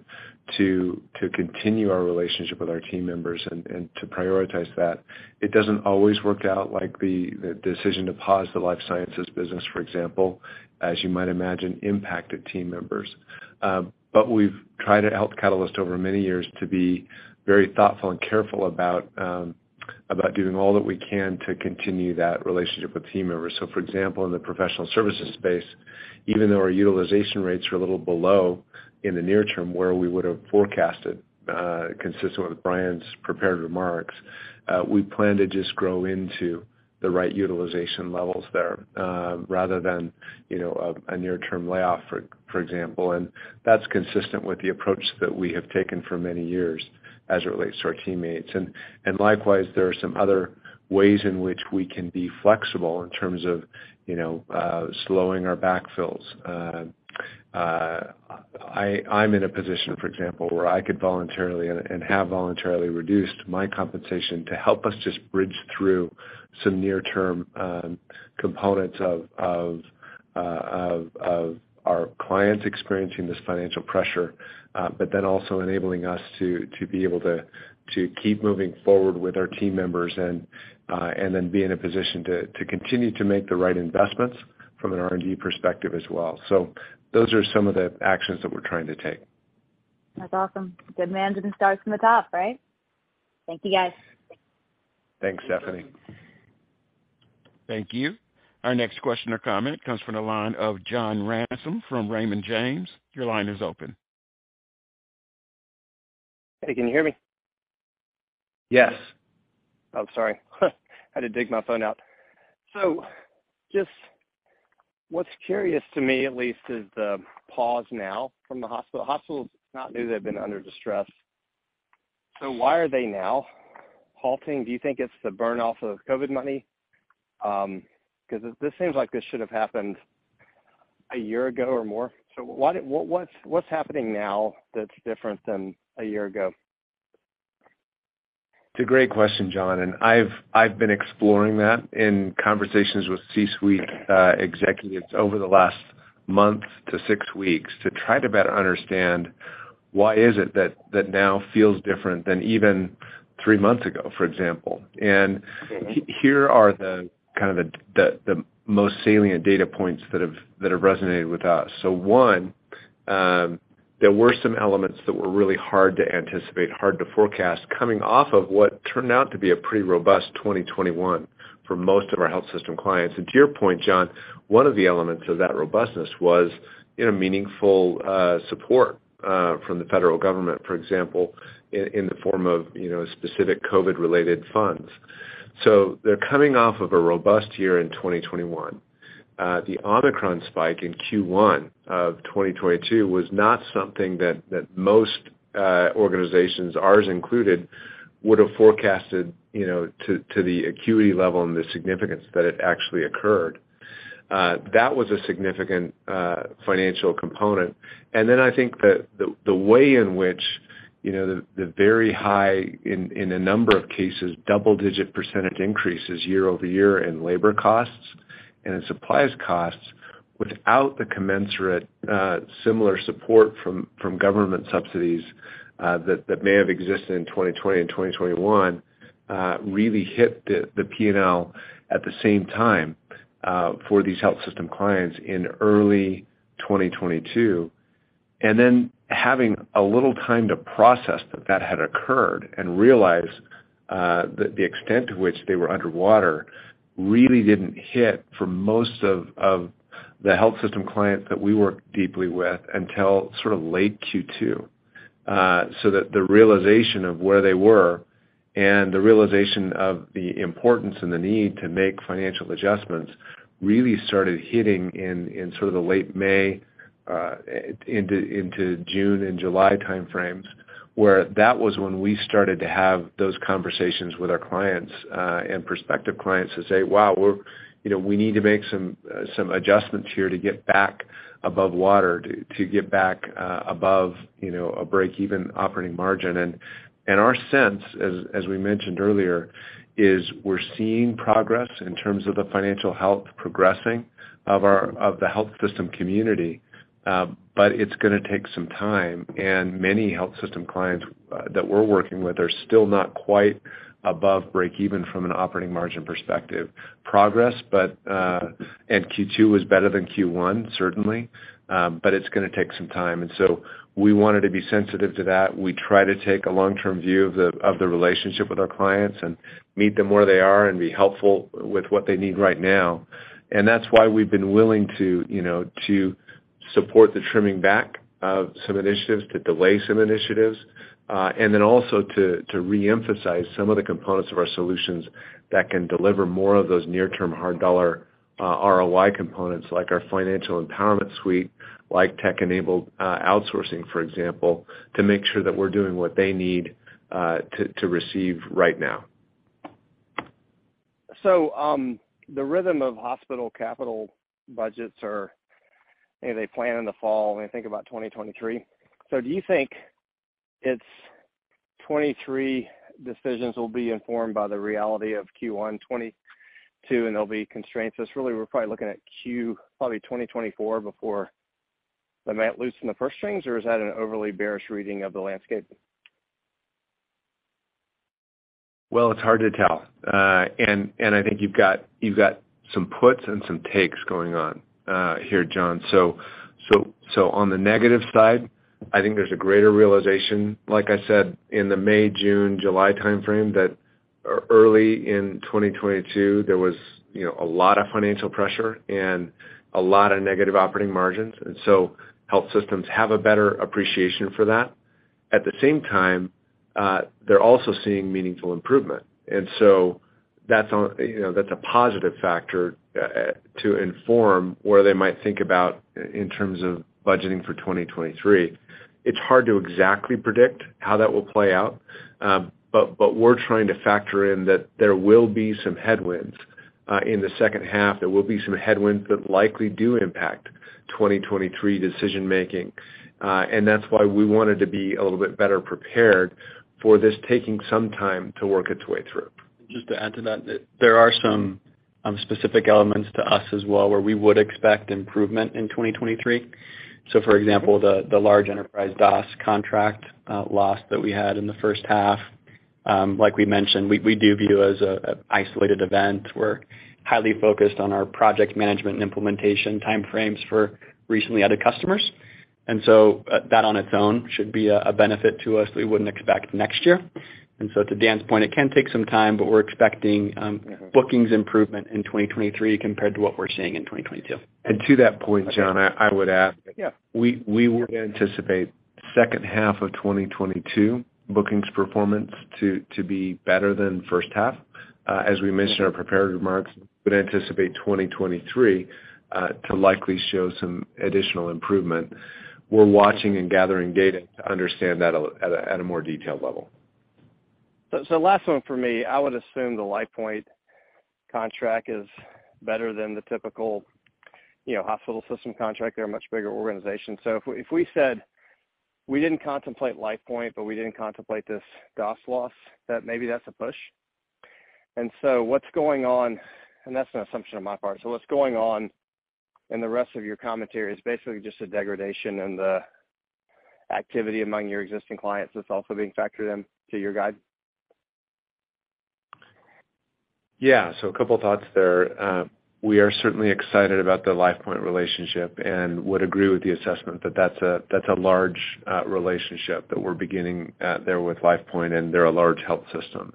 to continue our relationship with our team members and to prioritize that. It doesn't always work out like the decision to pause the life sciences business, for example, as you might imagine, impacted team members. We've tried at Health Catalyst over many years to be very thoughtful and careful about doing all that we can to continue that relationship with team members. For example, in the Professional Services space, even though our utilization rates are a little below in the near term where we would have forecasted, consistent with Bryan's prepared remarks, we plan to just grow into the right utilization levels there, rather than, you know, a near-term layoff, for example. That's consistent with the approach that we have taken for many years as it relates to our teammates. Likewise, there are some other ways in which we can be flexible in terms of, you know, slowing our backfills. I'm in a position, for example, where I could voluntarily and have voluntarily reduced my compensation to help us just bridge through some near-term components of our clients experiencing this financial pressure, but then also enabling us to be able to keep moving forward with our team members and then be in a position to continue to make the right investments from an R&D perspective as well. Those are some of the actions that we're trying to take. That's awesome. Good management starts from the top, right? Thank you, guys. Thanks, Stephanie. Thank you. Our next question or comment comes from the line of John Ransom from Raymond James. Your line is open. Hey, can you hear me? Yes. Oh, sorry. Had to dig my phone out. Just what's curious to me at least is the pause now from the hospital. Hospitals, it's not new they've been under distress. Why are they now halting? Do you think it's the burn-off of COVID money? 'Cause this seems like this should have happened a year ago or more. What's happening now that's different than a year ago? It's a great question, John. I've been exploring that in conversations with C-suite executives over the last month to six weeks to try to better understand why is it that now feels different than even three months ago, for example. Mm-hmm. Here are the most salient data points that have resonated with us. One, there were some elements that were really hard to anticipate, hard to forecast coming off of what turned out to be a pretty robust 2021 for most of our health system clients. To your point, John, one of the elements of that robustness was in a meaningful support from the federal government, for example, in the form of, you know, specific COVID-related funds. They're coming off of a robust year in 2021. The Omicron spike in Q1 of 2022 was not something that most organizations, ours included, would have forecasted, you know, to the acuity level and the significance that it actually occurred. That was a significant financial component. I think that the way in which, you know, the very high, in a number of cases, double-digit percentage increases year-over-year in labor costs and in supplies costs without the commensurate similar support from government subsidies that may have existed in 2020 and 2021 really hit the P&L at the same time for these health system clients in early 2022. Having a little time to process that that had occurred and realize the extent to which they were underwater really didn't hit for most of the health system clients that we work deeply with until sort of late Q2. That the realization of where they were and the realization of the importance and the need to make financial adjustments really started hitting in sort of the late May, into June and July time frames, where that was when we started to have those conversations with our clients and prospective clients to say, "Wow, we're you know, we need to make some adjustments here to get back above water, to get back above a break-even operating margin." Our sense, as we mentioned earlier, is we're seeing progress in terms of the financial health progressing of the health system community, but it's gonna take some time. Many health system clients that we're working with are still not quite above break-even from an operating margin perspective. Progress, but... Q2 was better than Q1, certainly. It's gonna take some time. We wanted to be sensitive to that. We try to take a long-term view of the relationship with our clients and meet them where they are and be helpful with what they need right now. That's why we've been willing to, you know, to support the trimming back of some initiatives, to delay some initiatives, and then also to reemphasize some of the components of our solutions that can deliver more of those near-term hard dollar ROI components like our Financial Empowerment Suite, like tech-enabled outsourcing, for example, to make sure that we're doing what they need to receive right now. The rhythm of hospital capital budgets are. They plan in the fall, they think about 2023. Do you think it's 2023 decisions will be informed by the reality of Q1 2022, and there'll be constraints. It's really we're probably looking at Q... probably 2024 before the mat loosens the purse strings, or is that an overly bearish reading of the landscape? Well, it's hard to tell. I think you've got some puts and some takes going on here, John. On the negative side, I think there's a greater realization, like I said, in the May, June, July timeframe that early in 2022, there was, you know, a lot of financial pressure and a lot of negative operating margins. Health systems have a better appreciation for that. At the same time, they're also seeing meaningful improvement. You know, that's a positive factor to inform where they might think about in terms of budgeting for 2023. It's hard to exactly predict how that will play out, but we're trying to factor in that there will be some headwinds in the second half. There will be some headwinds that likely do impact 2023 decision-making. That's why we wanted to be a little bit better prepared for this taking some time to work its way through. Just to add to that, there are some specific elements to us as well, where we would expect improvement in 2023. For example, the large enterprise DOS contract loss that we had in the first half, like we mentioned, we do view as an isolated event. We're highly focused on our project management and implementation timeframes for recently added customers. That on its own should be a benefit to us that we wouldn't expect next year. To Dan's point, it can take some time, but we're expecting bookings improvement in 2023 compared to what we're seeing in 2022. To that point, John, I would add- Yeah. We would anticipate second half of 2022 bookings performance to be better than first half. As we mentioned in our prepared remarks, would anticipate 2023 to likely show some additional improvement. We're watching and gathering data to understand that at a more detailed level. Last one for me. I would assume the Lifepoint contract is better than the typical, you know, hospital system contract. They're a much bigger organization. If we said we didn't contemplate Lifepoint, but we didn't contemplate this DOS Lite, that maybe that's a push. What's going on. That's an assumption on my part. What's going on in the rest of your commentary is basically just a degradation in the activity among your existing clients that's also being factored in to your guide. Yeah. A couple of thoughts there. We are certainly excited about the Lifepoint relationship and would agree with the assessment that that's a large relationship that we're beginning there with Lifepoint, and they're a large health system.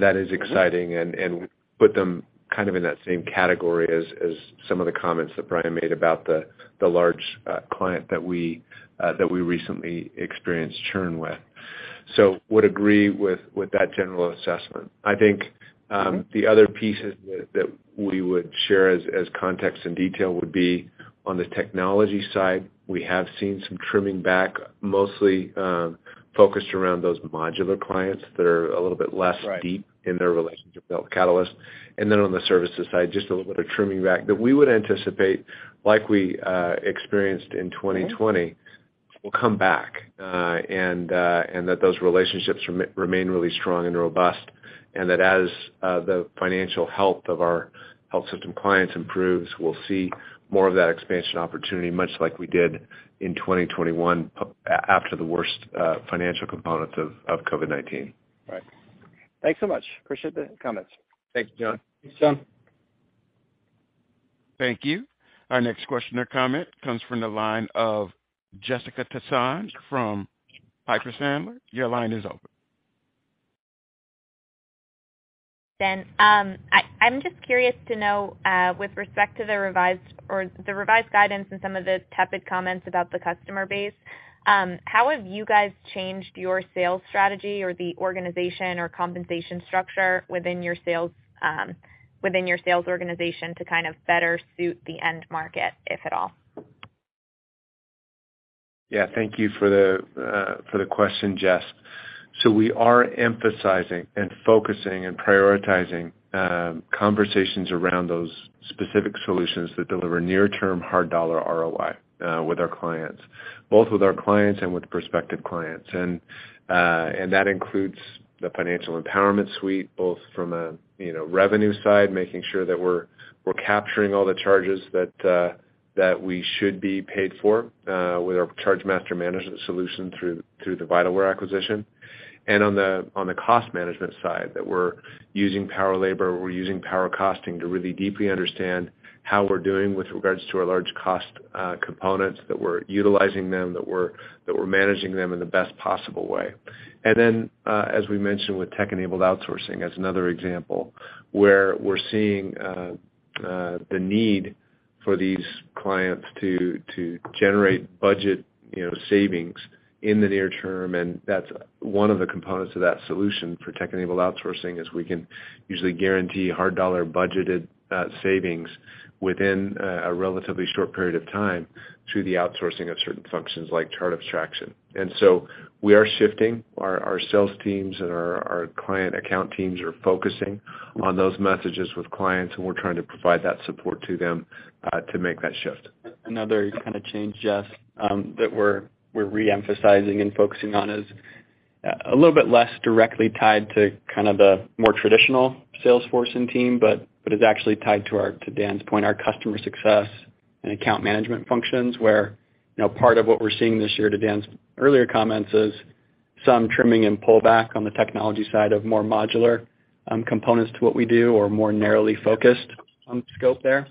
That is exciting and put them kind of in that same category as some of the comments that Bryan made about the large client that we recently experienced churn with. Would agree with that general assessment. I think the other pieces that we would share as context and detail would be on the Technology side. We have seen some trimming back, mostly focused around those modular clients that are a little bit less- Right. Deep in their relationship with Catalyst. Then on the services side, just a little bit of trimming back that we would anticipate, like we experienced in 2020, will come back, and that those relationships remain really strong and robust. That as the financial health of our health system clients improves, we'll see more of that expansion opportunity, much like we did in 2021 after the worst financial component of COVID-19. Right. Thanks so much. Appreciate the comments. Thank you, John. Thanks, John. Thank you. Our next question or comment comes from the line of Jessica Tassan from Piper Sandler. Your line is open. I'm just curious to know, with respect to the revised guidance and some of the tepid comments about the customer base, how have you guys changed your sales strategy or the organization or compensation structure within your sales organization to kind of better suit the end market, if at all? Yeah. Thank you for the question, Jess. We are emphasizing and focusing and prioritizing conversations around those specific solutions that deliver near-term hard dollar ROI with our clients, both with our clients and with prospective clients. That includes the Financial Empowerment Suite, both from a revenue side, you know, making sure that we're capturing all the charges that we should be paid for with our chargemaster management solution through the Vitalware acquisition. On the cost management side, we're using PowerLabor, we're using PowerCosting to really deeply understand how we're doing with regards to our large cost components, that we're utilizing them, that we're managing them in the best possible way. As we mentioned with tech-enabled outsourcing as another example, where we're seeing the need for these clients to generate budget, you know, savings in the near term, and that's one of the components of that solution for tech-enabled outsourcing, is we can usually guarantee hard dollar budgeted savings within a relatively short period of time through the outsourcing of certain functions like chart abstraction. We are shifting our sales teams and our client account teams are focusing on those messages with clients, and we're trying to provide that support to them to make that shift. Another kind of change, Jess, that we're re-emphasizing and focusing on is a little bit less directly tied to kind of the more traditional sales force and team, but is actually tied to our, to Dan's point, our customer success and account management functions, where, you know, part of what we're seeing this year, to Dan's earlier comments, is some trimming and pullback on the Technology side of more modular components to what we do or more narrowly focused scope there.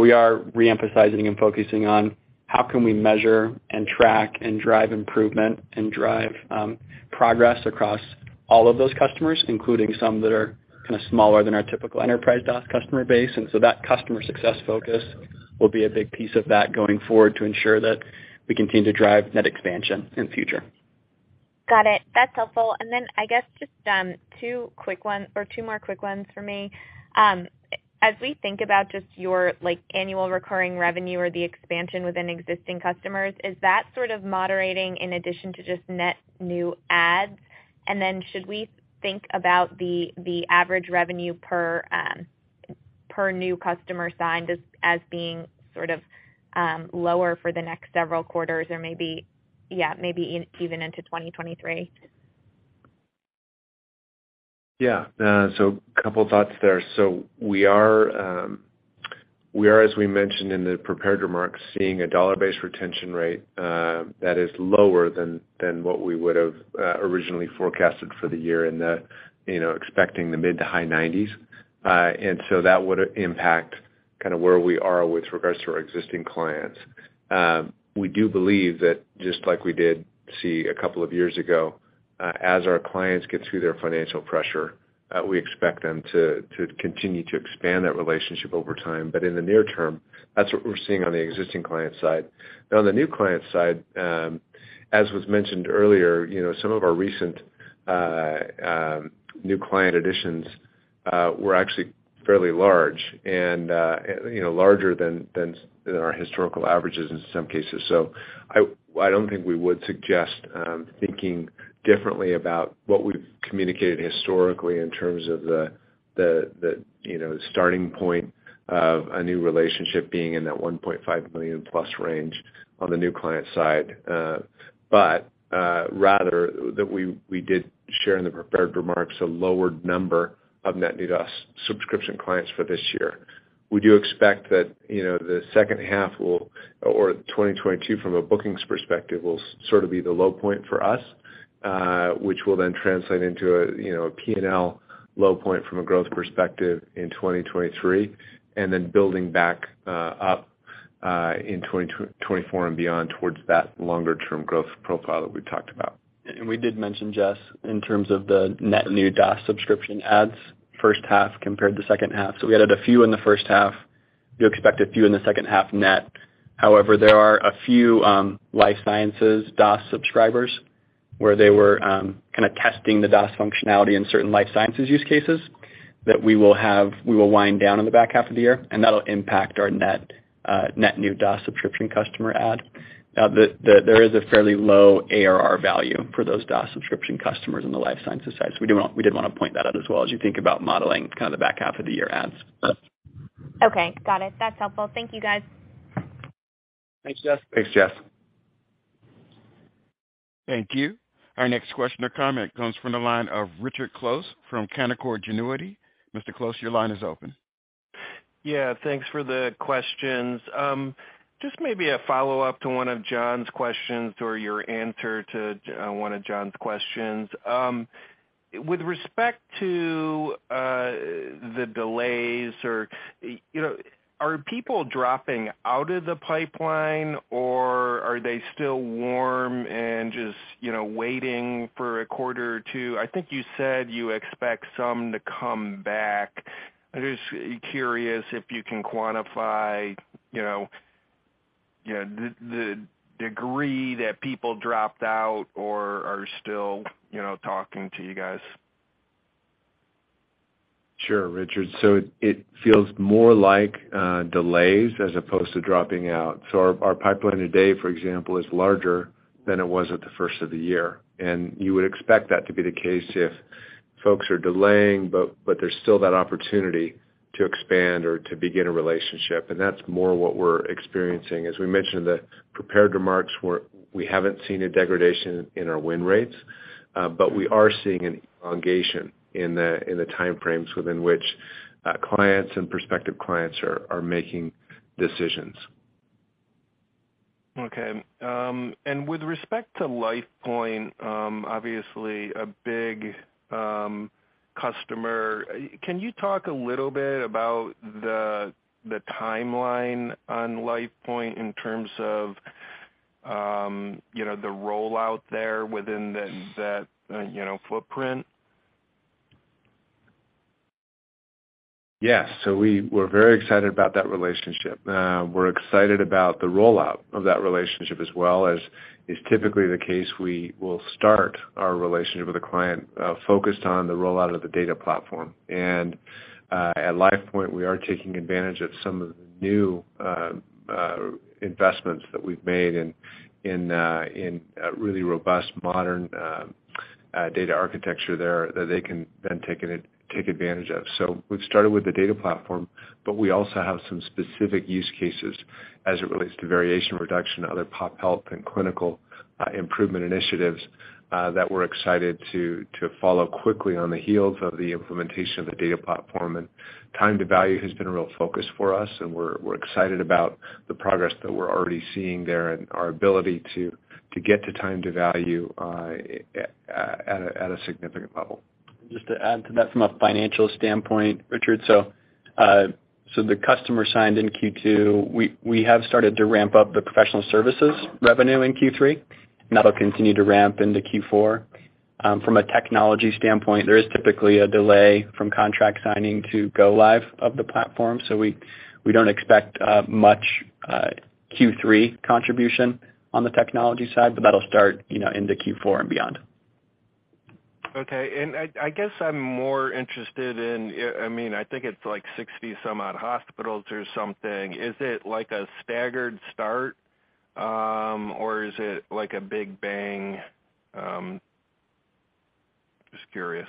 We are re-emphasizing and focusing on how can we measure, and track, and drive improvement and drive progress across all of those customers, including some that are kinda smaller than our typical enterprise DOS customer base. That customer success focus will be a big piece of that going forward to ensure that we continue to drive net expansion in future. Got it. That's helpful. I guess just two more quick ones for me. As we think about just your, like, annual recurring revenue or the expansion within existing customers, is that sort of moderating in addition to just net new adds? Should we think about the average revenue per new customer signed as being sort of lower for the next several quarters or maybe even into 2023? Yeah. A couple thoughts there. We are, as we mentioned in the prepared remarks, seeing a dollar-based retention rate that is lower than what we would have originally forecasted for the year in that, you know, expecting the mid to high 90s. That would impact kinda where we are with regards to our existing clients. We do believe that just like we did see a couple of years ago, as our clients get through their financial pressure, we expect them to continue to expand that relationship over time. In the near term, that's what we're seeing on the existing client side. Now, on the new client side, as was mentioned earlier, you know, some of our recent new client additions were actually fairly large and, you know, larger than our historical averages in some cases. I don't think we would suggest thinking differently about what we've communicated historically in terms of the you know, starting point of a new relationship being in that $1.5 million+ range on the new client side. Rather, that we did share in the prepared remarks a lowered number of net new DOS subscription clients for this year. We do expect that, you know, the second half will, or 2022 from a bookings perspective, will sort of be the low point for us, which will then translate into a, you know, a P&L low point from a growth perspective in 2023, and then building back up in 2024 and beyond towards that longer term growth profile that we talked about. We did mention, Jess, in terms of the net new DOS subscription adds first half compared to second half. We added a few in the first half. You'll expect a few in the second half net. However, there are a few life sciences DOS subscribers where they were kinda testing the DOS functionality in certain life sciences use cases that we will wind down in the back half of the year, and that'll impact our net new DOS subscription customer add. Now, there is a fairly low ARR value for those DOS subscription customers in the life sciences side, so we wanted to point that out as well as you think about modeling kind of the back half of the year adds. Okay. Got it. That's helpful. Thank you, guys. Thanks, Jess. Thanks, Jess. Thank you. Our next question or comment comes from the line of Richard Close from Canaccord Genuity. Mr. Close, your line is open. Yeah, thanks for the questions. Just maybe a follow-up to one of John's questions or your answer to one of John's questions. With respect to the delays or, you know, are people dropping out of the pipeline, or are they still warm and just, you know, waiting for a quarter or two? I think you said you expect some to come back. I'm just curious if you can quantify, you know, the degree that people dropped out or are still, you know, talking to you guys. Sure, Richard. It feels more like delays as opposed to dropping out. Our pipeline today, for example, is larger than it was at the first of the year. You would expect that to be the case if folks are delaying, but there's still that opportunity to expand or to begin a relationship, and that's more what we're experiencing. As we mentioned in the prepared remarks, we haven't seen a degradation in our win rates, but we are seeing an elongation in the time frames within which clients and prospective clients are making decisions. With respect to Lifepoint, obviously a big customer, can you talk a little bit about the timeline on Lifepoint in terms of you know the rollout there within that footprint? Yes. We're very excited about that relationship. We're excited about the rollout of that relationship as well. As is typically the case, we will start our relationship with a client focused on the rollout of the data platform. At Lifepoint, we are taking advantage of some of the new investments that we've made in a really robust modern data architecture there that they can then take advantage of. We've started with the data platform, but we also have some specific use cases as it relates to variation reduction and other pop health and clinical improvement initiatives that we're excited to follow quickly on the heels of the implementation of the data platform. Time to value has been a real focus for us, and we're excited about the progress that we're already seeing there and our ability to get to time to value at a significant level. Just to add to that from a financial standpoint, Richard. The customer signed in Q2, we have started to ramp up the Professional Services revenue in Q3. That'll continue to ramp into Q4. From a Technology standpoint, there is typically a delay from contract signing to go live of the platform. We don't expect much Q3 contribution on the Technology side, but that'll start, you know, into Q4 and beyond. Okay. I guess I'm more interested in, I mean, I think it's like 60-some-odd hospitals or something. Is it like a staggered start, or is it like a big bang? Just curious.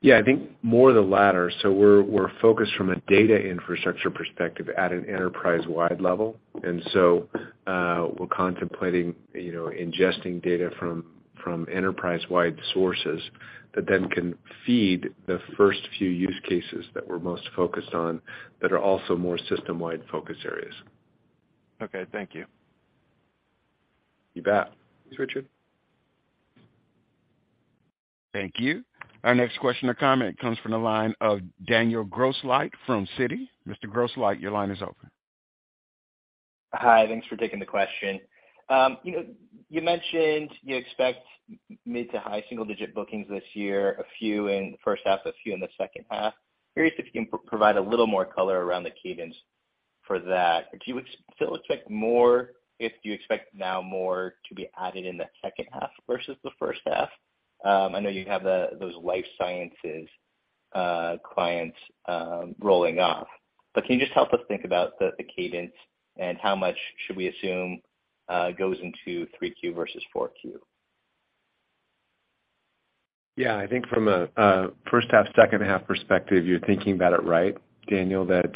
Yeah, I think more the latter. We're focused from a data infrastructure perspective at an enterprise-wide level. We're contemplating, you know, ingesting data from enterprise-wide sources that then can feed the first few use cases that we're most focused on that are also more system-wide focus areas. Okay, thank you. You bet. Thanks, Richard. Thank you. Our next question or comment comes from the line of Daniel Grosslight from Citi. Mr. Grosslight, your line is open. Hi. Thanks for taking the question. You know, you mentioned you expect mid to high single digit bookings this year, a few in the first half, a few in the second half. Curious if you can provide a little more color around the cadence for that. Do you still expect more to be added in the second half versus the first half? I know you have the, those life sciences clients rolling off. Can you just help us think about the cadence and how much should we assume goes into 3Q versus 4Q? Yeah. I think from a first half, second half perspective, you're thinking about it right, Daniel, that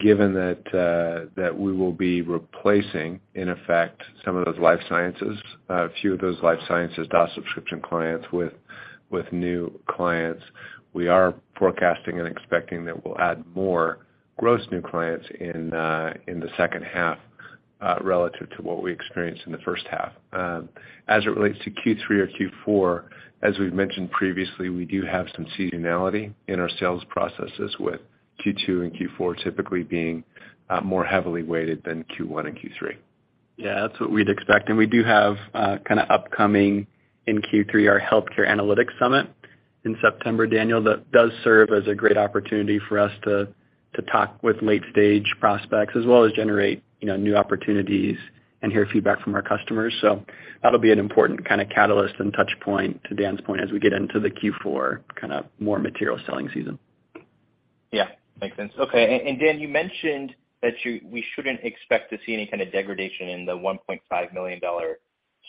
given that we will be replacing, in effect, some of those life sciences, a few of those life sciences DOS subscription clients with new clients. We are forecasting and expecting that we'll add more gross new clients in the second half relative to what we experienced in the first half. As it relates to Q3 or Q4, as we've mentioned previously, we do have some seasonality in our sales processes with Q2 and Q4 typically being more heavily weighted than Q1 and Q3. Yeah, that's what we'd expect. We do have kinda upcoming in Q3, our Healthcare Analytics Summit in September, Daniel, that does serve as a great opportunity for us to talk with late-stage prospects as well as generate, you know, new opportunities and hear feedback from our customers. That'll be an important kinda catalyst and touch point, to Dan's point, as we get into the Q4 kinda more material selling season. Yeah, makes sense. Okay. Dan, you mentioned that we shouldn't expect to see any kind of degradation in the $1.5 million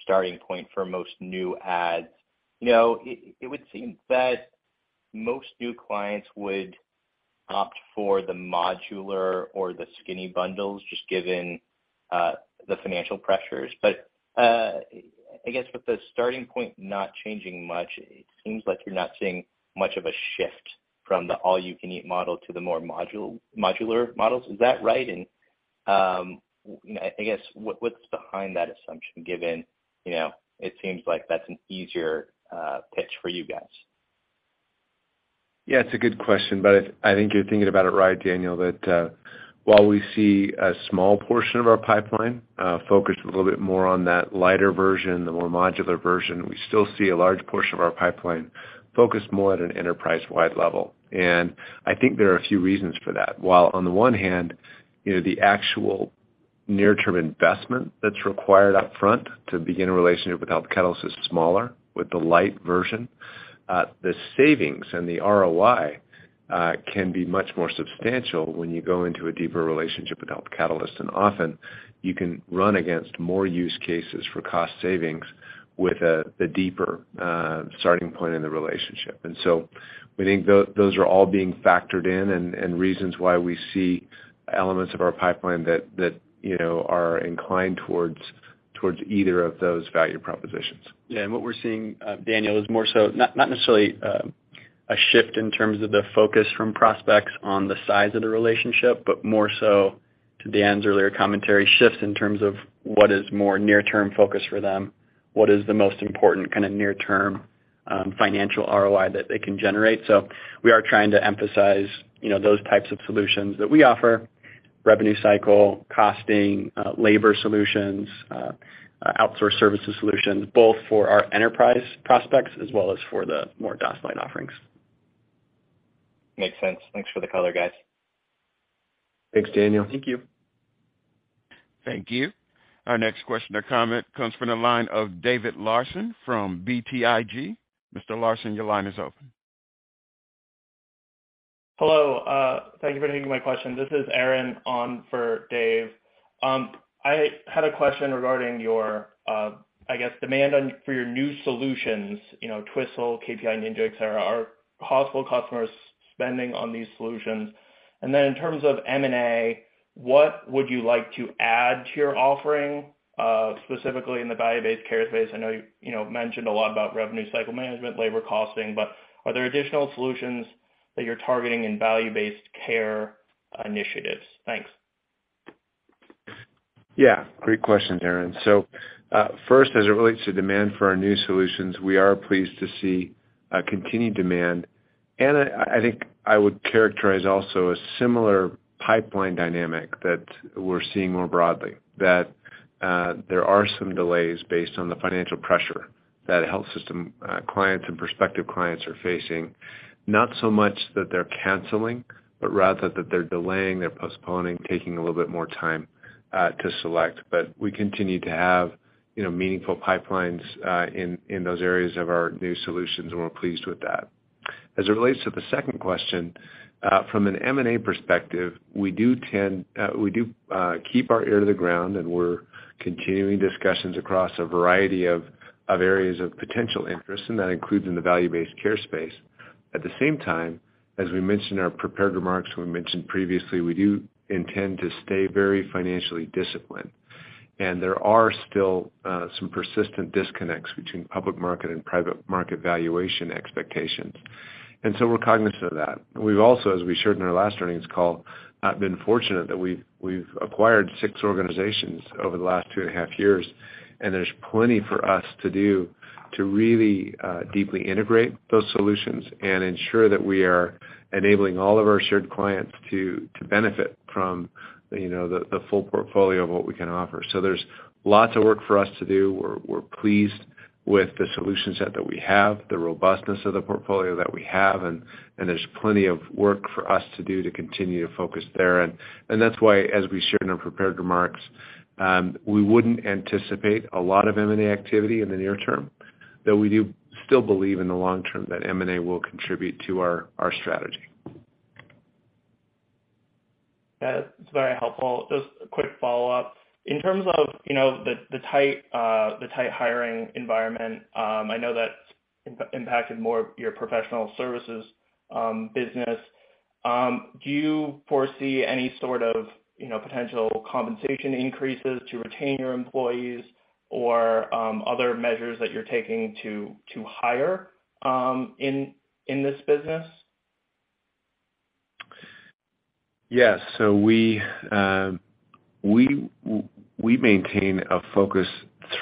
starting point for most new adds. You know, it would seem that most new clients would opt for the modular or the skinny bundles just given the financial pressures. I guess with the starting point not changing much, it seems like you're not seeing much of a shift from the all you can eat model to the more modular models. Is that right? You know, I guess what's behind that assumption given it seems like that's an easier pitch for you guys. Yeah, it's a good question, but I think you're thinking about it right, Daniel. That, while we see a small portion of our pipeline focused a little bit more on that lighter version, the more modular version, we still see a large portion of our pipeline focused more at an enterprise-wide level. I think there are a few reasons for that. While on the one hand, you know, the actual near-term investment that's required upfront to begin a relationship with Health Catalyst is smaller with the light version, the savings and the ROI can be much more substantial when you go into a deeper relationship with Health Catalyst. Often you can run against more use cases for cost savings with the deeper starting point in the relationship. We think those are all being factored in and reasons why we see elements of our pipeline that you know are inclined towards either of those value propositions. Yeah. What we're seeing, Daniel, is more so not necessarily a shift in terms of the focus from prospects on the size of the relationship, but more so, to Dan's earlier commentary, shifts in terms of what is more near term focus for them, what is the most important kinda near term financial ROI that they can generate. We are trying to emphasize, you know, those types of solutions that we offer. Revenue cycle, costing, labor solutions, outsource services solutions, both for our enterprise prospects as well as for the more DOS Lite offerings. Makes sense. Thanks for the color, guys. Thanks, Daniel. Thank you. Thank you. Our next question or comment comes from the line of David Larsen from BTIG. Mr. Larsen, your line is open. Hello. Thank you for taking my question. This is Aaron on for Dave. I had a question regarding your, I guess, demand for your new solutions, you know, Twistle, KPI Ninja, et cetera. Are possible customers spending on these solutions? In terms of M&A, what would you like to add to your offering, specifically in the value-based care space? I know you know, mentioned a lot about revenue cycle management, labor costing, but are there additional solutions that you're targeting in value-based care initiatives? Thanks. Yeah, great question, Aaron. First, as it relates to demand for our new solutions, we are pleased to see continued demand. I think I would characterize also a similar pipeline dynamic that we're seeing more broadly, that there are some delays based on the financial pressure that health system clients and prospective clients are facing. Not so much that they're canceling, but rather that they're delaying, they're postponing, taking a little bit more time to select. We continue to have, you know, meaningful pipelines in those areas of our new solutions, and we're pleased with that. As it relates to the second question, from an M&A perspective, we keep our ear to the ground, and we're continuing discussions across a variety of areas of potential interest, and that includes in the value-based care space. At the same time, as we mentioned in our prepared remarks previously, we do intend to stay very financially disciplined. There are still some persistent disconnects between public market and private market valuation expectations. We're cognizant of that. We've also, as we shared in our last earnings call, been fortunate that we've acquired six organizations over the last two and a half years. There's plenty for us to do to really deeply integrate those solutions and ensure that we are enabling all of our shared clients to benefit from, you know, the full portfolio of what we can offer. There's lots of work for us to do. We're pleased with the solution set that we have, the robustness of the portfolio that we have, and there's plenty of work for us to do to continue to focus there. That's why, as we shared in our prepared remarks, we wouldn't anticipate a lot of M&A activity in the near term, though we do still believe in the long term that M&A will contribute to our strategy. That's very helpful. Just a quick follow-up. In terms of, you know, the tight hiring environment, I know that's impacted more of your Professional Services business. Do you foresee any sort of, you know, potential compensation increases to retain your employees or other measures that you're taking to hire in this business? Yes. We maintain a focus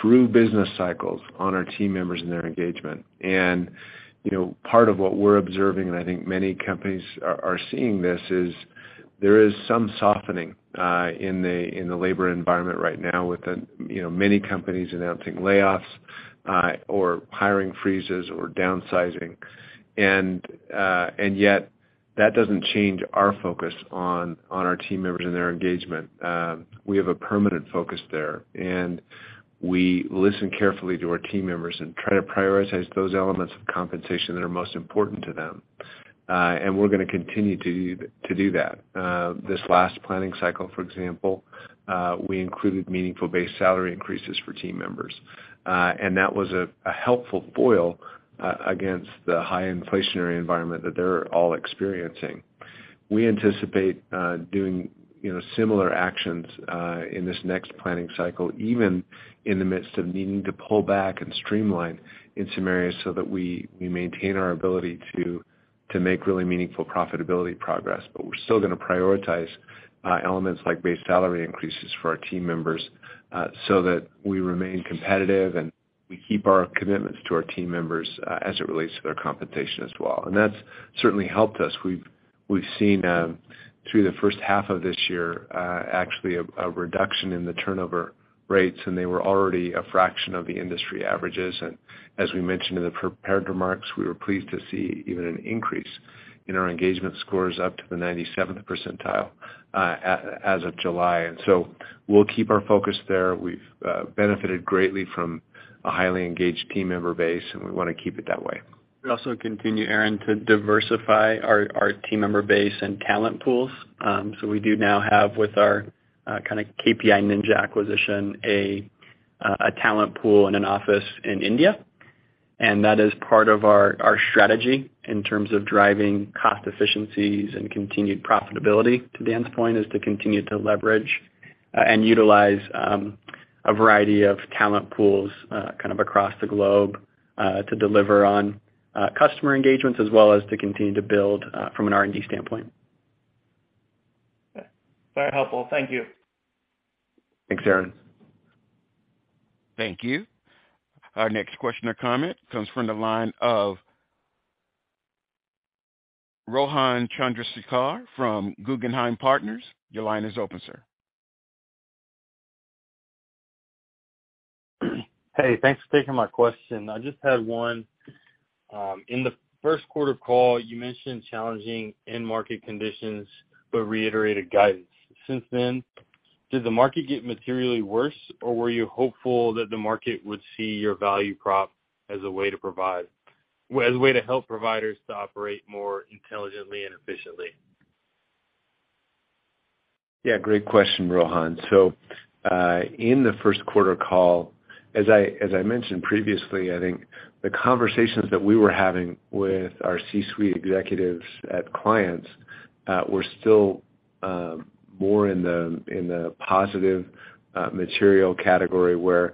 through business cycles on our team members and their engagement. You know, part of what we're observing, and I think many companies are seeing this, is there some softening in the labor environment right now with you know many companies announcing layoffs or hiring freezes or downsizing. Yet that doesn't change our focus on our team members and their engagement. We have a permanent focus there, and we listen carefully to our team members and try to prioritize those elements of compensation that are most important to them. We're gonna continue to do that. This last planning cycle, for example, we included meaningful base salary increases for team members. That was a helpful foil against the high inflationary environment that they're all experiencing. We anticipate doing, you know, similar actions in this next planning cycle, even in the midst of needing to pull back and streamline in some areas so that we maintain our ability to make really meaningful profitability progress. We're still gonna prioritize elements like base salary increases for our team members so that we remain competitive and we keep our commitments to our team members as it relates to their compensation as well. That's certainly helped us. We've seen through the first half of this year, actually a reduction in the turnover rates, and they were already a fraction of the industry averages. As we mentioned in the prepared remarks, we were pleased to see even an increase in our engagement scores up to the ninety-seventh percentile, as of July. We'll keep our focus there. We've benefited greatly from a highly engaged team member base, and we wanna keep it that way. We also continue, Aaron, to diversify our team member base and talent pools. We do now have, with our kinda KPI Ninja acquisition, a talent pool and an office in India. That is part of our strategy in terms of driving cost efficiencies and continued profitability. To Dan's point, is to continue to leverage and utilize a variety of talent pools kind of across the globe to deliver on customer engagements as well as to continue to build from an R&D standpoint. Very helpful. Thank you. Thanks, Aaron. Thank you. Our next question or comment comes from the line of Rohan Chandrasekhar from Guggenheim Partners, your line is open, sir. Hey, thanks for taking my question. I just had one. In the first quarter call, you mentioned challenging end market conditions but reiterated guidance. Since then, did the market get materially worse, or were you hopeful that the market would see your value prop as a way to help providers to operate more intelligently and efficiently? Yeah, great question, Rohan. In the first quarter call, as I mentioned previously, I think the conversations that we were having with our C-suite executives at clients were still more in the positive material category where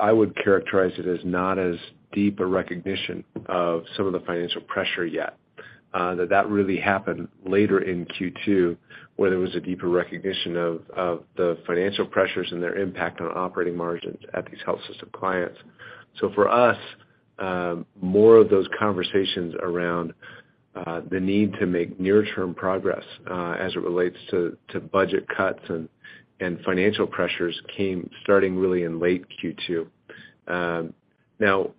I would characterize it as not as deep a recognition of some of the financial pressure yet. That really happened later in Q2, where there was a deeper recognition of the financial pressures and their impact on operating margins at these health system clients. More of those conversations around the need to make near-term progress as it relates to budget cuts and financial pressures came starting really in late Q2. Now,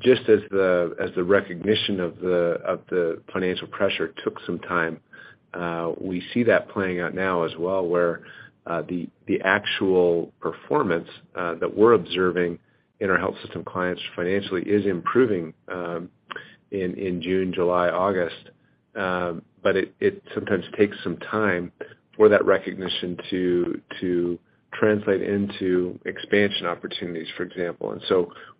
just as the recognition of the financial pressure took some time, we see that playing out now as well, where the actual performance that we're observing in our health system clients financially is improving in June, July, August. It sometimes takes some time for that recognition to translate into expansion opportunities, for example.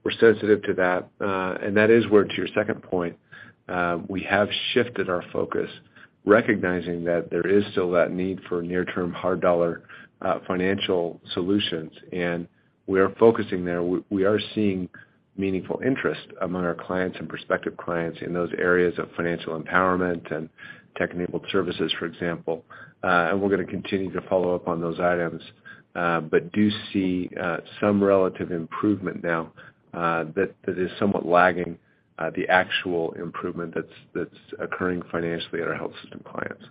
We're sensitive to that. That is where, to your second point, we have shifted our focus, recognizing that there is still that need for near-term hard dollar financial solutions. We are focusing there. We are seeing meaningful interest among our clients and prospective clients in those areas of financial empowerment and tech-enabled services, for example. We're gonna continue to follow up on those items, but do see some relative improvement now that is somewhat lagging the actual improvement that's occurring financially at our health system clients.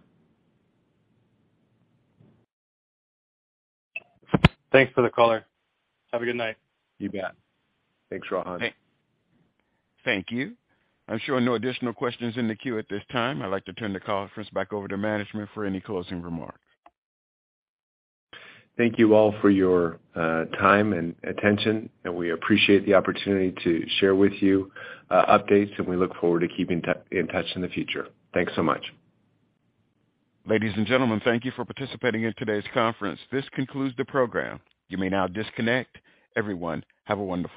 Thanks for the color. Have a good night. You bet. Thanks, Rohan. Thank you. I'm showing no additional questions in the queue at this time. I'd like to turn the conference back over to management for any closing remarks. Thank you all for your time and attention, and we appreciate the opportunity to share with you updates, and we look forward to keeping in touch in the future. Thanks so much. Ladies and gentlemen, thank you for participating in today's conference. This concludes the program. You may now disconnect. Everyone, have a wonderful night.